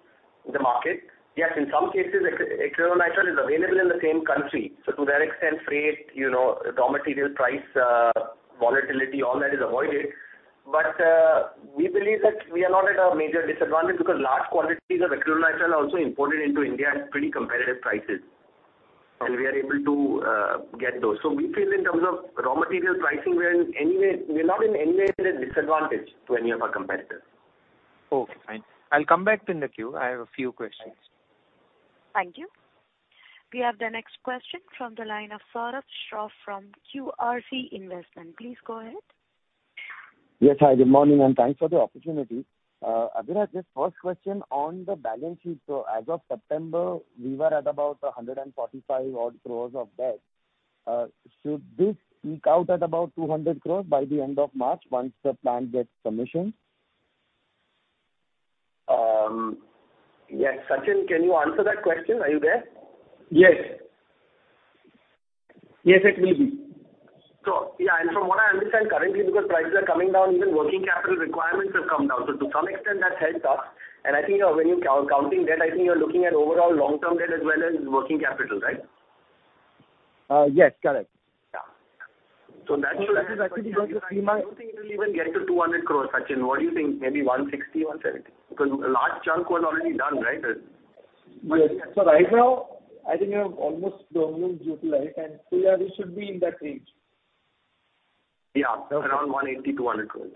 E: the market. In some cases, acrylonitrile is available in the same country, so to that extent, freight, you know, raw material price, volatility, all that is avoided. We believe that we are not at a major disadvantage because large quantities of acrylonitrile are also imported into India at pretty competitive prices. We are able to get those. We feel in terms of raw material pricing, we're not in any way at a disadvantage to any of our competitors.
L: Okay, fine. I'll come back in the queue. I have a few questions.
E: Thanks.
A: Thank you. We have the next question from the line of Saurabh Shroff from QRC Investment. Please go ahead.
M: Yes, hi, good morning, thanks for the opportunity. Abhiraj, just first question on the balance sheet. As of September, we were at about 145 odd crores of debt. Should this peak out at about 200 crores by the end of March once the plant gets commissioned?
E: yes. Sachin, can you answer that question? Are you there?
C: Yes. Yes, it will be.
E: Yeah, and from what I understand currently, because prices are coming down, even working capital requirements have come down. To some extent that helps us. I think, when you count, counting debt, I think you're looking at overall long-term debt as well as working capital, right?
C: Yes, correct.
E: Yeah.
C: Which is actually going to be
E: I don't think it'll even get to 200 crores, Sachin? What do you think? Maybe 160-170? A large chunk was already done, right?
C: Yes. right now, I think we have almost drawn down due to light, yeah, we should be in that range.
E: Yeah. Around 180-200 crores.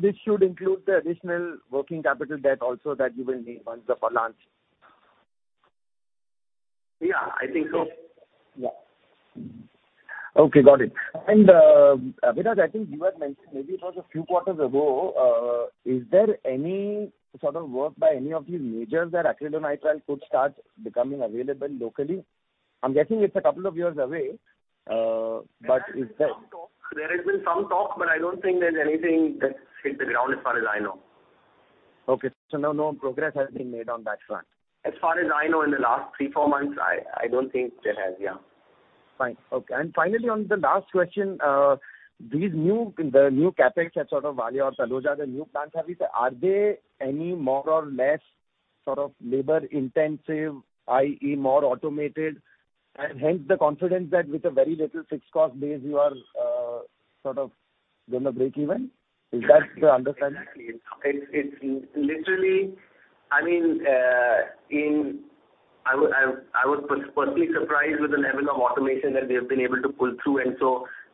M: This should include the additional working capital debt also that you will need once the plant...
E: Yeah, I think so.
M: Yeah. Okay, got it. Abhiraj, I think you had mentioned, maybe it was a few quarters ago, is there any sort of work by any of the majors that acrylonitrile could start becoming available locally? I'm guessing it's a couple of years away, but is there-
E: There has been some talk, but I don't think there's anything that's hit the ground as far as I know.
M: Okay. No, no progress has been made on that front.
E: As far as I know, in the last three, four months, I don't think there has, yeah.
C: Fine. Okay. Finally, on the last question, these new, the new CapEx at sort of Vadodara and Taloja, the new plants that we say, are they any more or less sort of labor intensive, i.e., more automated? Hence the confidence that with a very little fixed cost base you are, sort of gonna break even? Is that the understanding?
E: Exactly. It's literally. I mean, I was personally surprised with the level of automation that we've been able to pull through.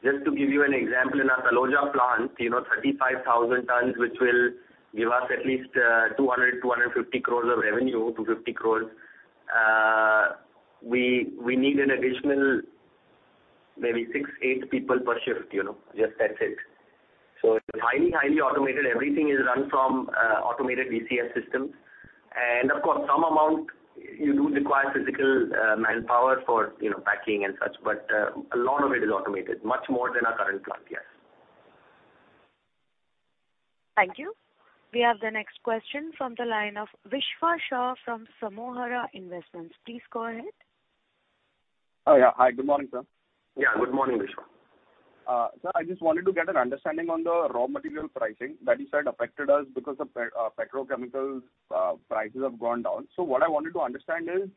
E: Just to give you an example, in our Taloja plant, you know, 35,000 tons, which will give us at least 250 crores of revenue. We need an additional maybe six, eight people per shift, you know. Just that's it. It's highly automated. Everything is run from automated DCS systems. Of course, some amount you do require physical manpower for, you know, packing and such, but a lot of it is automated. Much more than our current plant, yes.
A: Thank you. We have the next question from the line of Vishwa Shah from Samohara Investments. Please go ahead.
N: Oh, yeah. Hi, good morning, sir.
E: Yeah, good morning, Vishwa.
N: sir, I just wanted to get an understanding on the raw material pricing that you said affected us because of petrochemicals, prices have gone down. What I wanted to understand is,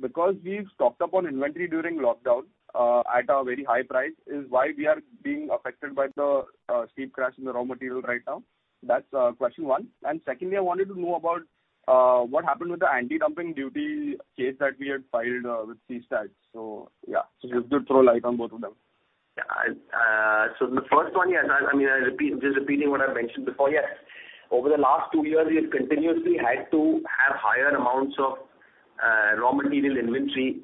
N: because we've stocked up on inventory during lockdown, at a very high price, is why we are being affected by the steep crash in the raw material right now. That's question one. Secondly, I wanted to know about what happened with the anti-dumping duty case that we had filed with CESTAT. Yeah, if you could throw light on both of them.
E: The first one, yes, I mean, I repeat, just repeating what I've mentioned before. Yes. Over the last two years, we have continuously had to have higher amounts of raw material inventory,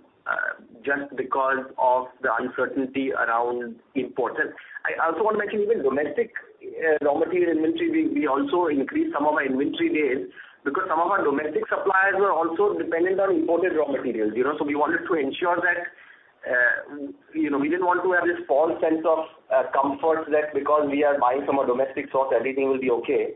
E: just because of the uncertainty around importers. I also want to mention even domestic raw material inventory, we also increased some of our inventory days because some of our domestic suppliers were also dependent on imported raw materials, you know. We wanted to ensure that, you know, we didn't want to have this false sense of comfort that because we are buying from a domestic source, everything will be okay.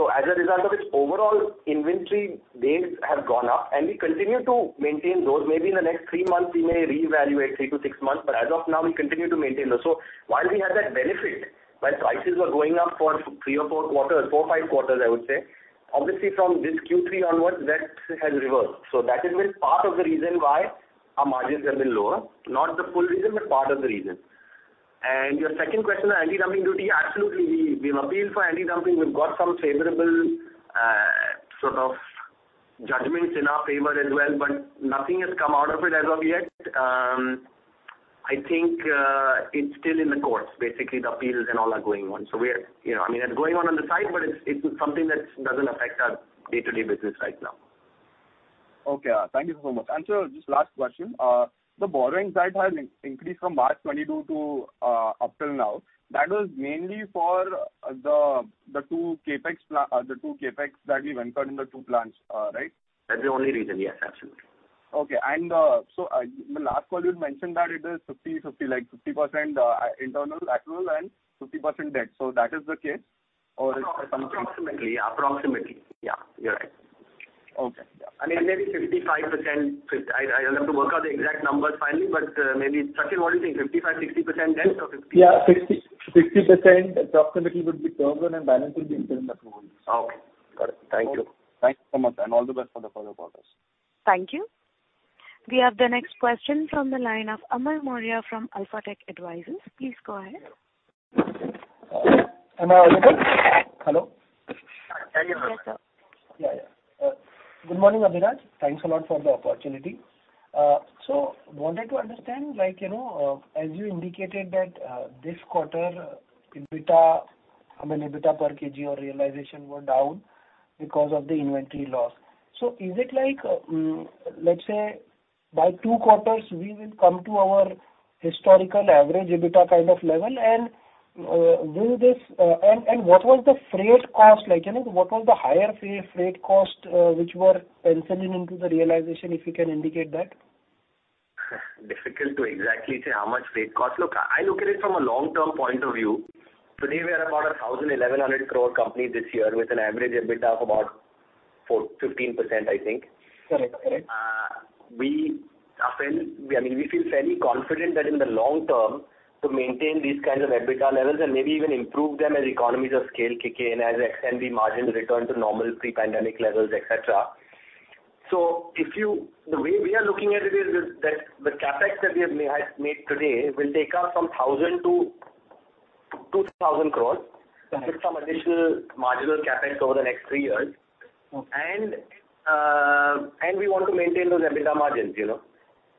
E: As a result of this, overall inventory days have gone up, and we continue to maintain those. Maybe in the next three months we may reevaluate, three to six months, as of now, we continue to maintain those. While we had that benefit, while prices were going up for three or four quarters, four or five quarters, I would say, obviously from this Q3 onwards, that has reversed. That has been part of the reason why our margins have been lower. Not the full reason, but part of the reason. Your second question on anti-dumping duty, absolutely. We've appealed for anti-dumping. We've got some favorable sort of judgments in our favor as well, but nothing has come out of it as of yet. I think it's still in the courts. Basically, the appeals and all are going on. We're, you know... I mean, it's going on on the side, but it's something that doesn't affect our day-to-day business right now.
N: Okay. Thank you so much. Sir, just last question. The borrowing side has increased from March 2022 to up till now. That was mainly for the two CapEx that we ventured in the two plants, right?
E: That's the only reason. Yes, absolutely.
N: The last call you mentioned that it is 50, like 50% internal, external and 50% debt. That is the case or it's something?
E: Approximately, yeah. Approximately. Yeah, you're right.
N: Okay.
E: I mean, maybe 55%. I don't have to work out the exact numbers finally, but maybe. Sachin, what do you think? 55%, 60% debt or 50?
C: Yeah, 60% approximately would be term loan and balance will be internal approval.
N: Okay. Got it. Thank you. Thanks so much. All the best for the further quarters.
A: Thank you. We have the next question from the line of Amal Maurya from AlfaTech Advisors. Please go ahead.
O: Am I audible? Hello? Yeah, yeah. Good morning, Abhiraj. Thanks a lot for the opportunity. Wanted to understand, like, you know, as you indicated that, this quarter EBITDA, I mean, EBITDA per kg or realization were down because of the inventory loss. Is it like, let's say by two quarters we will come to our historical average EBITDA kind of level? What was the freight cost like? You know, what was the higher fee freight cost, which were penciling into the realization, if you can indicate that.
E: Difficult to exactly say how much freight cost. Look, I look at it from a long-term point of view. Today, we are about an 1,000, 1,100 crore company this year with an average EBITDA of about 15%, I think.
O: Correct. Correct.
E: I mean, we feel fairly confident that in the long term to maintain these kinds of EBITDA levels and maybe even improve them as economies of scale kick in, as NBR margins return to normal pre-pandemic levels, et cetera. The way we are looking at it is that the CapEx that we have made today will take us from 1,000 crores to 2,000 crores.
O: Correct.
E: With some additional marginal CapEx over the next three years.
O: Okay.
E: We want to maintain those EBITDA margins, you know.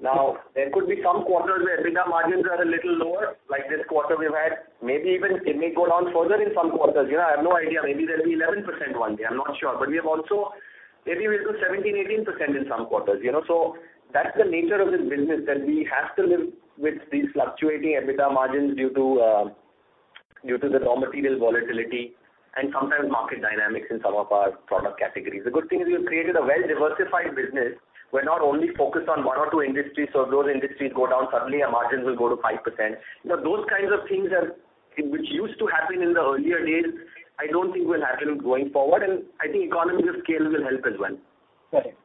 E: Now, there could be some quarters where EBITDA margins are a little lower, like this quarter we've had. Maybe even it may go down further in some quarters. You know, I have no idea. Maybe there'll be 11% one day. I'm not sure. We have also, maybe we'll do 17%, 18% in some quarters, you know. That's the nature of this business, that we have to live with these fluctuating EBITDA margins due to the raw material volatility and sometimes market dynamics in some of our product categories. The good thing is we've created a well-diversified business. We're not only focused on one or two industries, so if those industries go down suddenly our margins will go to 5%. You know, those kinds of things are, which used to happen in the earlier days, I don't think will happen going forward, and I think economies of scale will help as well.
O: Correct.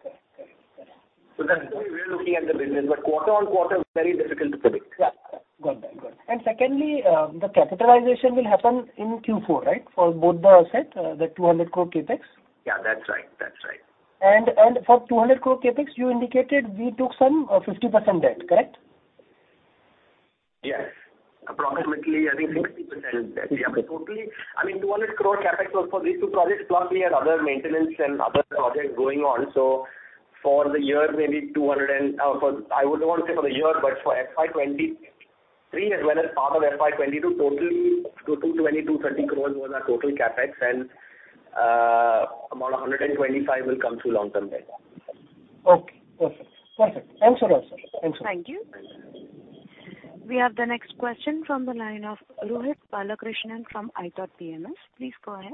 E: That's the way we're looking at the business. Quarter-on-quarter, very difficult to predict.
O: Yeah. Got that. Got it. Secondly, the capitalization will happen in Q4, right? For both the set, the 200 crore CapEx.
E: Yeah. That's right. That's right.
O: For 200 crore CapEx, you indicated we took some, 50% debt, correct?
E: Yes. Approximately, I think 60% debt.
O: Okay.
E: Yeah, totally. I mean, 200 crore CapEx was for these two projects, plus we had other maintenance and other projects going on. For the year, I wouldn't want to say for the year, but for FY 2023 as well as part of FY 2022, total 220-230 crores was our total CapEx, about 125 crore will come through long-term debt.
O: Okay. Perfect. Thanks a lot, sir. Thanks a lot.
A: Thank you. We have the next question from the line of Rohit Balakrishnan from iThought PMS. Please go ahead.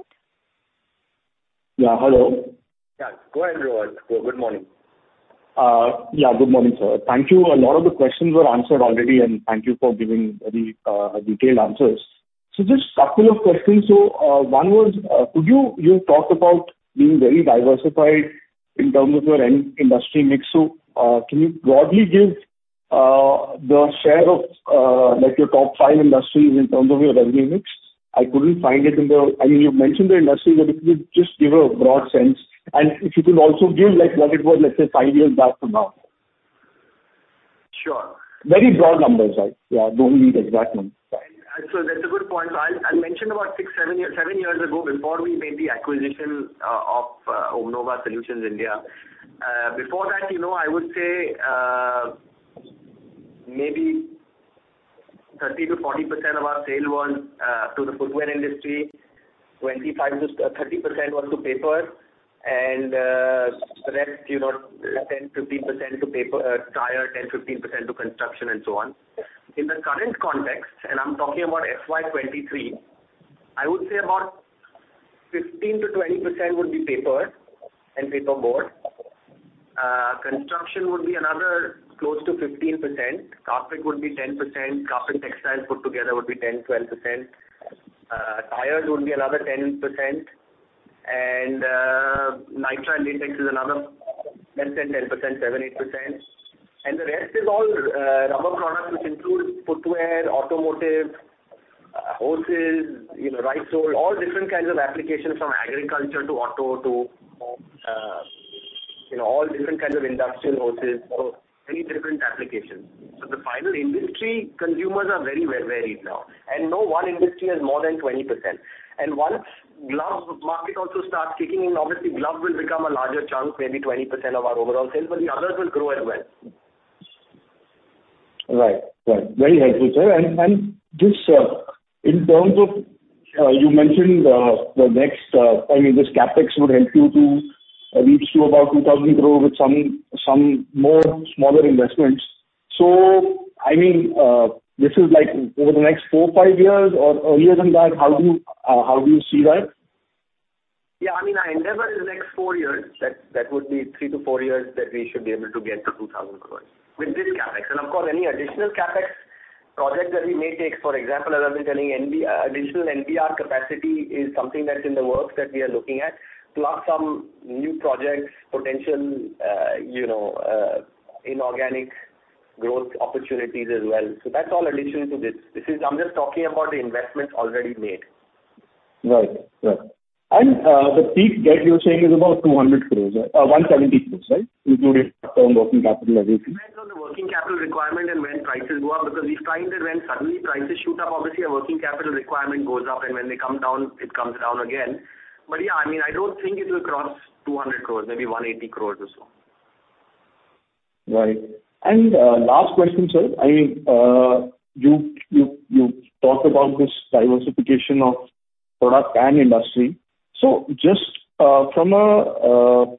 P: Yeah. Hello.
E: Yeah. Go ahead, Rohit. Go. Good morning.
P: Yeah, good morning, sir. Thank you. A lot of the questions were answered already. Thank you for giving very detailed answers. Just couple of questions, one was, You've talked about being very diversified in terms of your end industry mix. Can you broadly give the share of like your top five industries in terms of your revenue mix? I couldn't find it in the... I mean, you've mentioned the industry, but if you could just give a broad sense. If you could also give, like, what it was, let's say five years back from now.
E: Sure.
P: Very broad numbers. Yeah, don't need exact numbers. Yeah.
E: That's a good point, sir. I'll mention about six-seven years ago before we made the acquisition of OMNOVA Solutions India. Before that, you know, I would say maybe 30%-40% of our sale was to the footwear industry, 25%-30% was to paper and the rest, you know, 10%-15% to paper, tire, 10%-15% to construction and so on. In the current context, I'm talking about FY23, I would say about 15%-20% would be paper and paperboard. Construction would be another close to 15%. Carpet would be 10%. Carpet textile put together would be 10%-12%. Tires would be another 10%. Nitrile and latex is another less than 10%, 7%-8%. The rest is all, rubber products, which includes footwear, automotive, hoses, you know, ride sole, all different kinds of applications from agriculture to auto to, you know, all different kinds of industrial hoses. Many different applications. The final industry consumers are very, very varied now, and no one industry is more than 20%. Once glove market also starts kicking in, obviously glove will become a larger chunk, maybe 20% of our overall sales, but the others will grow as well.
P: Right. Right. Very helpful, sir. Just, in terms of, you mentioned, the next, I mean, this CapEx would help you to reach to about 2,000 crore with some more smaller investments. I mean, this is like over the next four, five years or earlier than that? How do you, how do you see that?
E: Yeah. I mean, I endeavor in the next four years that would be three-four years that we should be able to get to 2,000 crores with this CapEx. Of course, any additional CapEx project that we may take, for example, as I've been telling NBR, additional NBR capacity is something that's in the works that we are looking at, plus some new projects, potential, you know, inorganic growth opportunities as well. That's all additional to this. I'm just talking about the investments already made.
P: Right. Right. The peak debt you're saying is about 200 crores or 170 crores, right? Including working capital, everything.
E: Working capital requirement and when prices go up, because we've tried it when suddenly prices shoot up, obviously a working capital requirement goes up, and when they come down, it comes down again. Yeah, I mean, I don't think it will cross 200 crores, maybe 180 crores or so.
P: Right. Last question, sir. I mean, you talked about this diversification of product and industry. Just from a,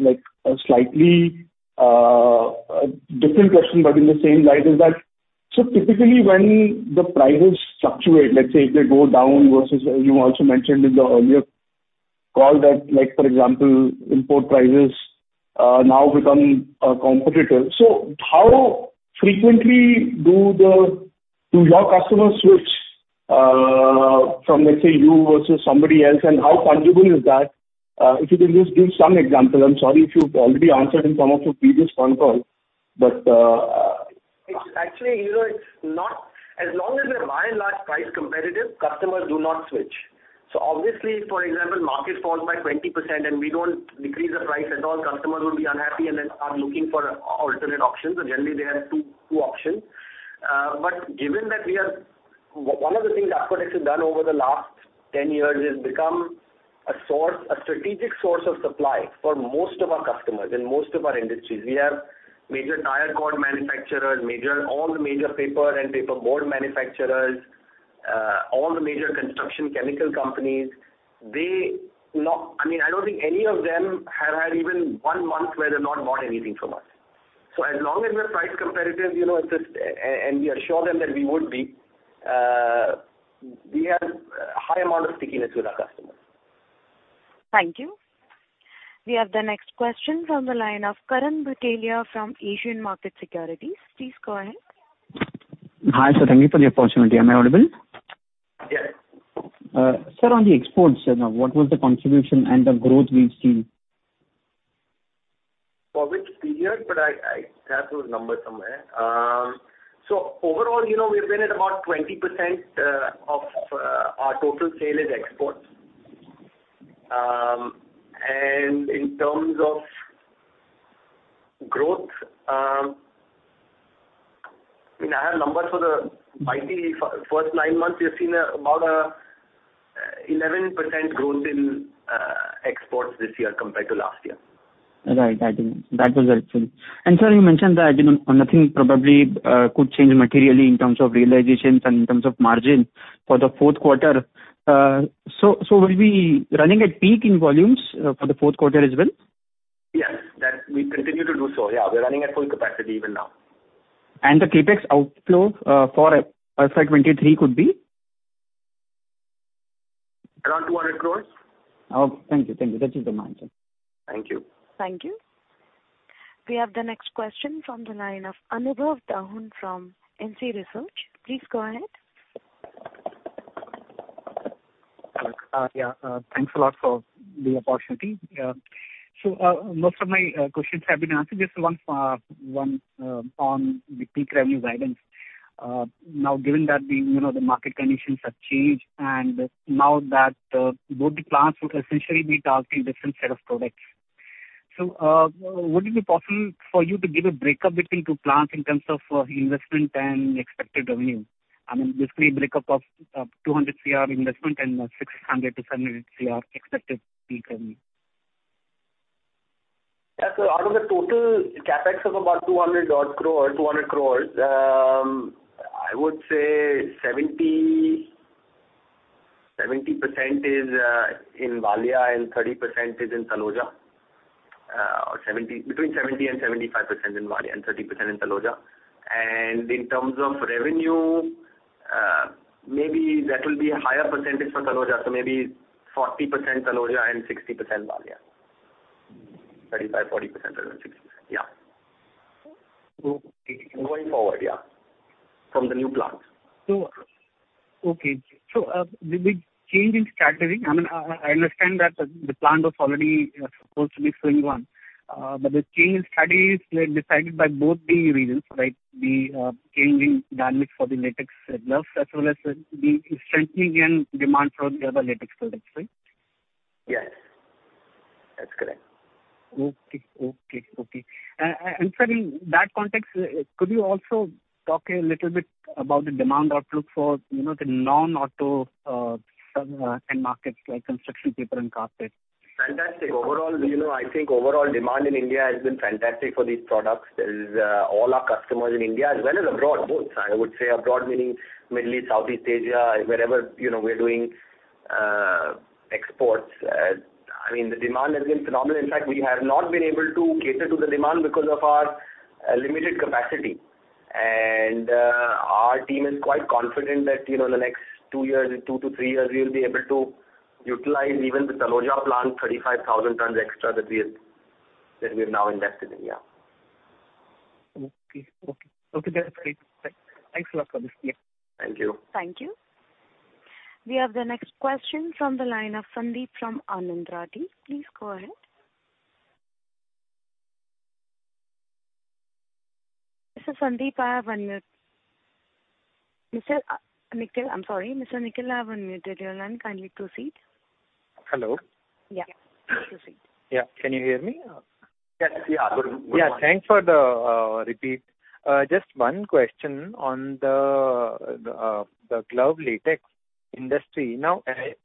P: like, a slightly different question but in the same light is that, typically when the prices fluctuate, let's say if they go down versus, you also mentioned in the earlier call that like for example, import prices now become competitive. How frequently do your customers switch from, let's say, you versus somebody else, and how tangible is that? If you can just give some example. I'm sorry if you've already answered in some of your previous phone calls, but.
E: Actually, you know, it's not. As long as we're by and large price competitive, customers do not switch. Obviously, for example, market falls by 20% and we don't decrease the price at all, customers will be unhappy and then are looking for alternate options. Generally, they have two options. Given that we are. One of the things Apcotex has done over the last 10 years is become a source, a strategic source of supply for most of our customers in most of our industries. We have major tire cord manufacturers, all the major paper and paper board manufacturers, all the major construction chemical companies. They not, I mean, I don't think any of them have had even one month where they've not bought anything from us. As long as we're price competitive, you know, it's just, and we assure them that we would be, we have high amount of stickiness with our customers.
A: Thank you. We have the next question from the line of Karan Batalia from Asian Markets Securities. Please go ahead.
Q: Hi, sir. Thank you for the opportunity. Am I audible?
E: Yes.
Q: Sir, on the exports, what was the contribution and the growth we've seen?
E: For which period? I have those numbers somewhere. Overall, you know, we've been at about 20% of our total sale is exports. In terms of growth, I mean, I have numbers for the YTD. First nine months, we've seen about 11% growth in exports this year compared to last year.
Q: Right. I didn't. That was helpful. Sir, you mentioned that, you know, nothing probably could change materially in terms of realizations and in terms of margin for the fourth quarter. So we'll be running at peak in volumes for the fourth quarter as well?
E: Yes. That we continue to do so. Yeah, we're running at full capacity even now.
Q: The CapEx outflow for FY 2023 could be?
E: Around 200 crores.
Q: Thank you. That is the margin.
E: Thank you.
A: Thank you. We have the next question from the line of Anubhav Thukral from ICICI Securities. Please go ahead.
R: Thanks a lot for the opportunity. Most of my questions have been answered. Just one on the peak revenue guidance. Now, given that the, you know, the market conditions have changed and now that both the plants would essentially be targeting different set of products. Would it be possible for you to give a break up between two plants in terms of investment and expected revenue? I mean, basically break up of 200 CR investment and 600-700 CR expected peak revenue.
E: Yeah. Out of the total CapEx of about 200 odd crore, 200 crore, I would say 70% is in Valia and 30% is in Taloja. Or between 70% and 75% in Valia and 30% in Taloja. In terms of revenue, maybe that will be a higher percentage for Taloja. Maybe 40% Taloja and 60% Valia. 35%-40% and 60%. Yeah.
R: Okay.
E: Going forward, yeah. From the new plant.
R: Okay. The big change in strategy, I mean, I understand that the plant was already supposed to be swing one. The change in strategy is decided by both the reasons, right? The change in dynamics for the latex gloves as well as the strengthening in demand for the other latex products, right?
E: Yes, that's correct.
R: Okay. Okay. Okay. Sir, in that context, could you also talk a little bit about the demand outlook for, you know, the non-auto, some end markets like construction paper and carpet?
E: Fantastic. Overall, you know, I think overall demand in India has been fantastic for these products. There's all our customers in India as well as abroad, both. I would say abroad meaning Middle East, Southeast Asia, wherever, you know, we're doing exports. I mean, the demand has been phenomenal. In fact, we have not been able to cater to the demand because of our limited capacity. Our team is quite confident that, you know, the next two years, two to three years, we will be able to utilize even the Taloja plant 35,000 tons extra that we have, that we have now invested in. Yeah.
R: Okay. Okay. Okay, that's great. Thanks a lot for this. Yeah.
E: Thank you.
A: Thank you. We have the next question from the line of Sandeep from Anand Rathi. Please go ahead. This is Sandeep. I have one minute. Mr. Nikhil, I'm sorry. Mr. Nikhil, I've unmuted your line. Kindly proceed.
L: Hello.
A: Yeah. Proceed.
L: Yeah. Can you hear me?
E: Yes. Yeah. Good.
L: Thanks for the repeat. Just one question on the glove latex industry.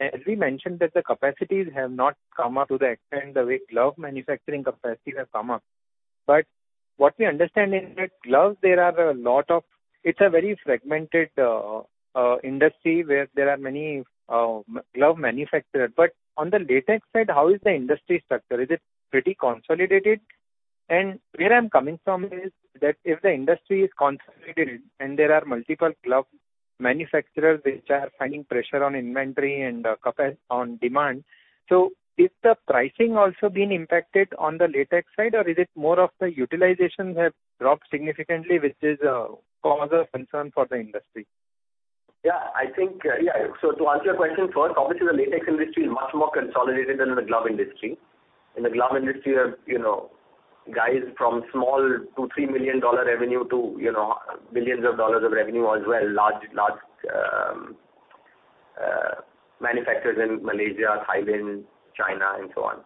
L: As we mentioned that the capacities have not come up to the extent the way glove manufacturing capacity has come up. What we understand is that gloves, it's a very fragmented industry where there are many glove manufacturers. On the latex side, how is the industry structure? Is it pretty consolidated? Where I'm coming from is that if the industry is consolidated and there are multiple glove manufacturers which are finding pressure on inventory and on demand. Is the pricing also being impacted on the latex side, or is it more of the utilizations have dropped significantly, which is cause of concern for the industry?
E: I think, to answer your question first, obviously the latex industry is much more consolidated than the glove industry. In the glove industry, you know, guys from small $2 million-$3 million revenue to, you know, billions of dollars of revenue as well, large manufacturers in Malaysia, Thailand, China and so on.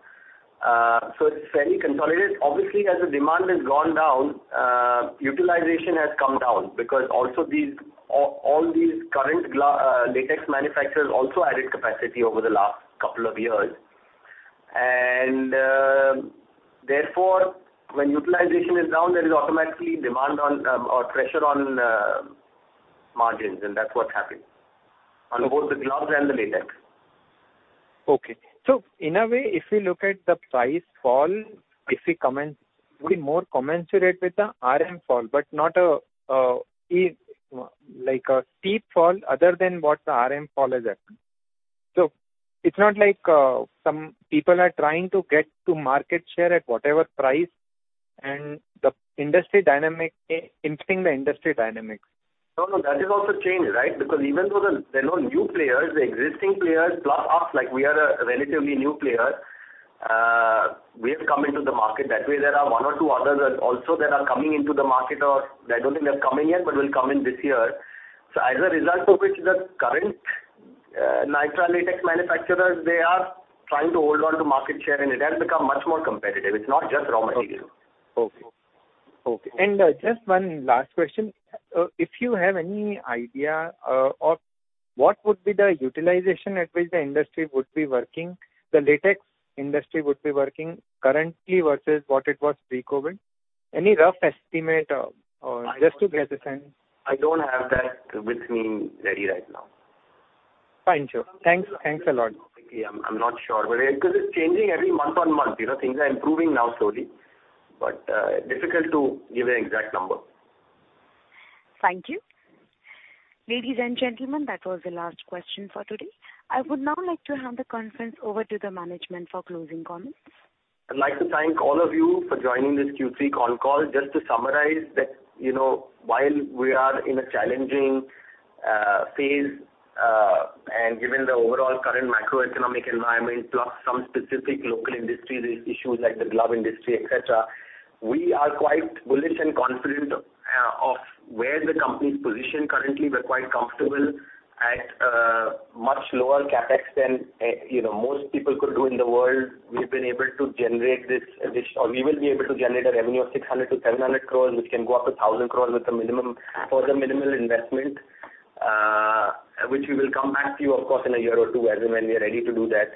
E: It's fairly consolidated. Obviously, as the demand has gone down, utilization has come down because also all these current latex manufacturers also added capacity over the last couple of years. Therefore, when utilization is down, there is automatically demand on, or pressure on, margins, and that's what's happening on both the gloves and the latex.
L: Okay. In a way, if you look at the price fall, if it would it more commensurate with the RM fall but not a, is, like a steep fall other than what the RM fall has happened. It's not like, some people are trying to get to market share at whatever price and the industry dynamic, impacting the industry dynamics.
E: No, no, that is also changed, right? Because even though there are no new players, the existing players plus us, like we are a relatively new player, we have come into the market. That way there are 1 or 2 others that also that are coming into the market or I don't think they have come in yet, but will come in this year. As a result of which the current Nitrile Latex manufacturers, they are trying to hold on to market share and it has become much more competitive. It's not just raw material.
L: Okay. Okay. Just one last question. If you have any idea, of what would be the utilization at which the industry would be working, the latex industry would be working currently versus what it was pre-COVID? Any rough estimate, or just to get a sense?
E: I don't have that with me ready right now.
L: Fine. Sure. Thanks. Thanks a lot.
E: Yeah. I'm not sure. Because it's changing every month-on-month, you know, things are improving now slowly, but difficult to give an exact number.
A: Thank you. Ladies and gentlemen, that was the last question for today. I would now like to hand the conference over to the management for closing comments.
E: I'd like to thank all of you for joining this Q3 con call. Just to summarize that, you know, while we are in a challenging phase, and given the overall current macroeconomic environment, plus some specific local industry issues like the glove industry, et cetera, we are quite bullish and confident of where the company's positioned currently. We're quite comfortable at much lower CapEx than, you know, most people could do in the world. We will be able to generate a revenue of 600 crores-700 crores, which can go up to 1,000 crores with a minimum, further minimal investment, which we will come back to you of course in a year or two as and when we are ready to do that.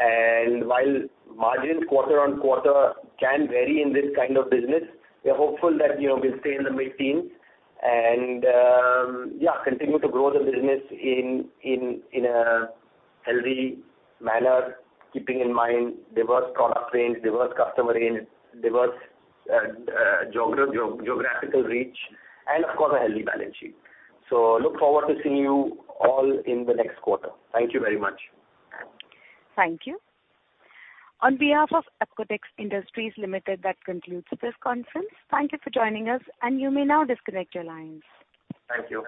E: While margins quarter-on-quarter can vary in this kind of business, we are hopeful that, you know, we'll stay in the mid-teens and, yeah, continue to grow the business in a healthy manner, keeping in mind diverse product range, diverse customer range, diverse geographical reach, and of course, a healthy balance sheet. Look forward to seeing you all in the next quarter. Thank you very much.
A: Thank you. On behalf of Apcotex Industries Limited, that concludes this conference. Thank you for joining us, and you may now disconnect your lines.
E: Thank you.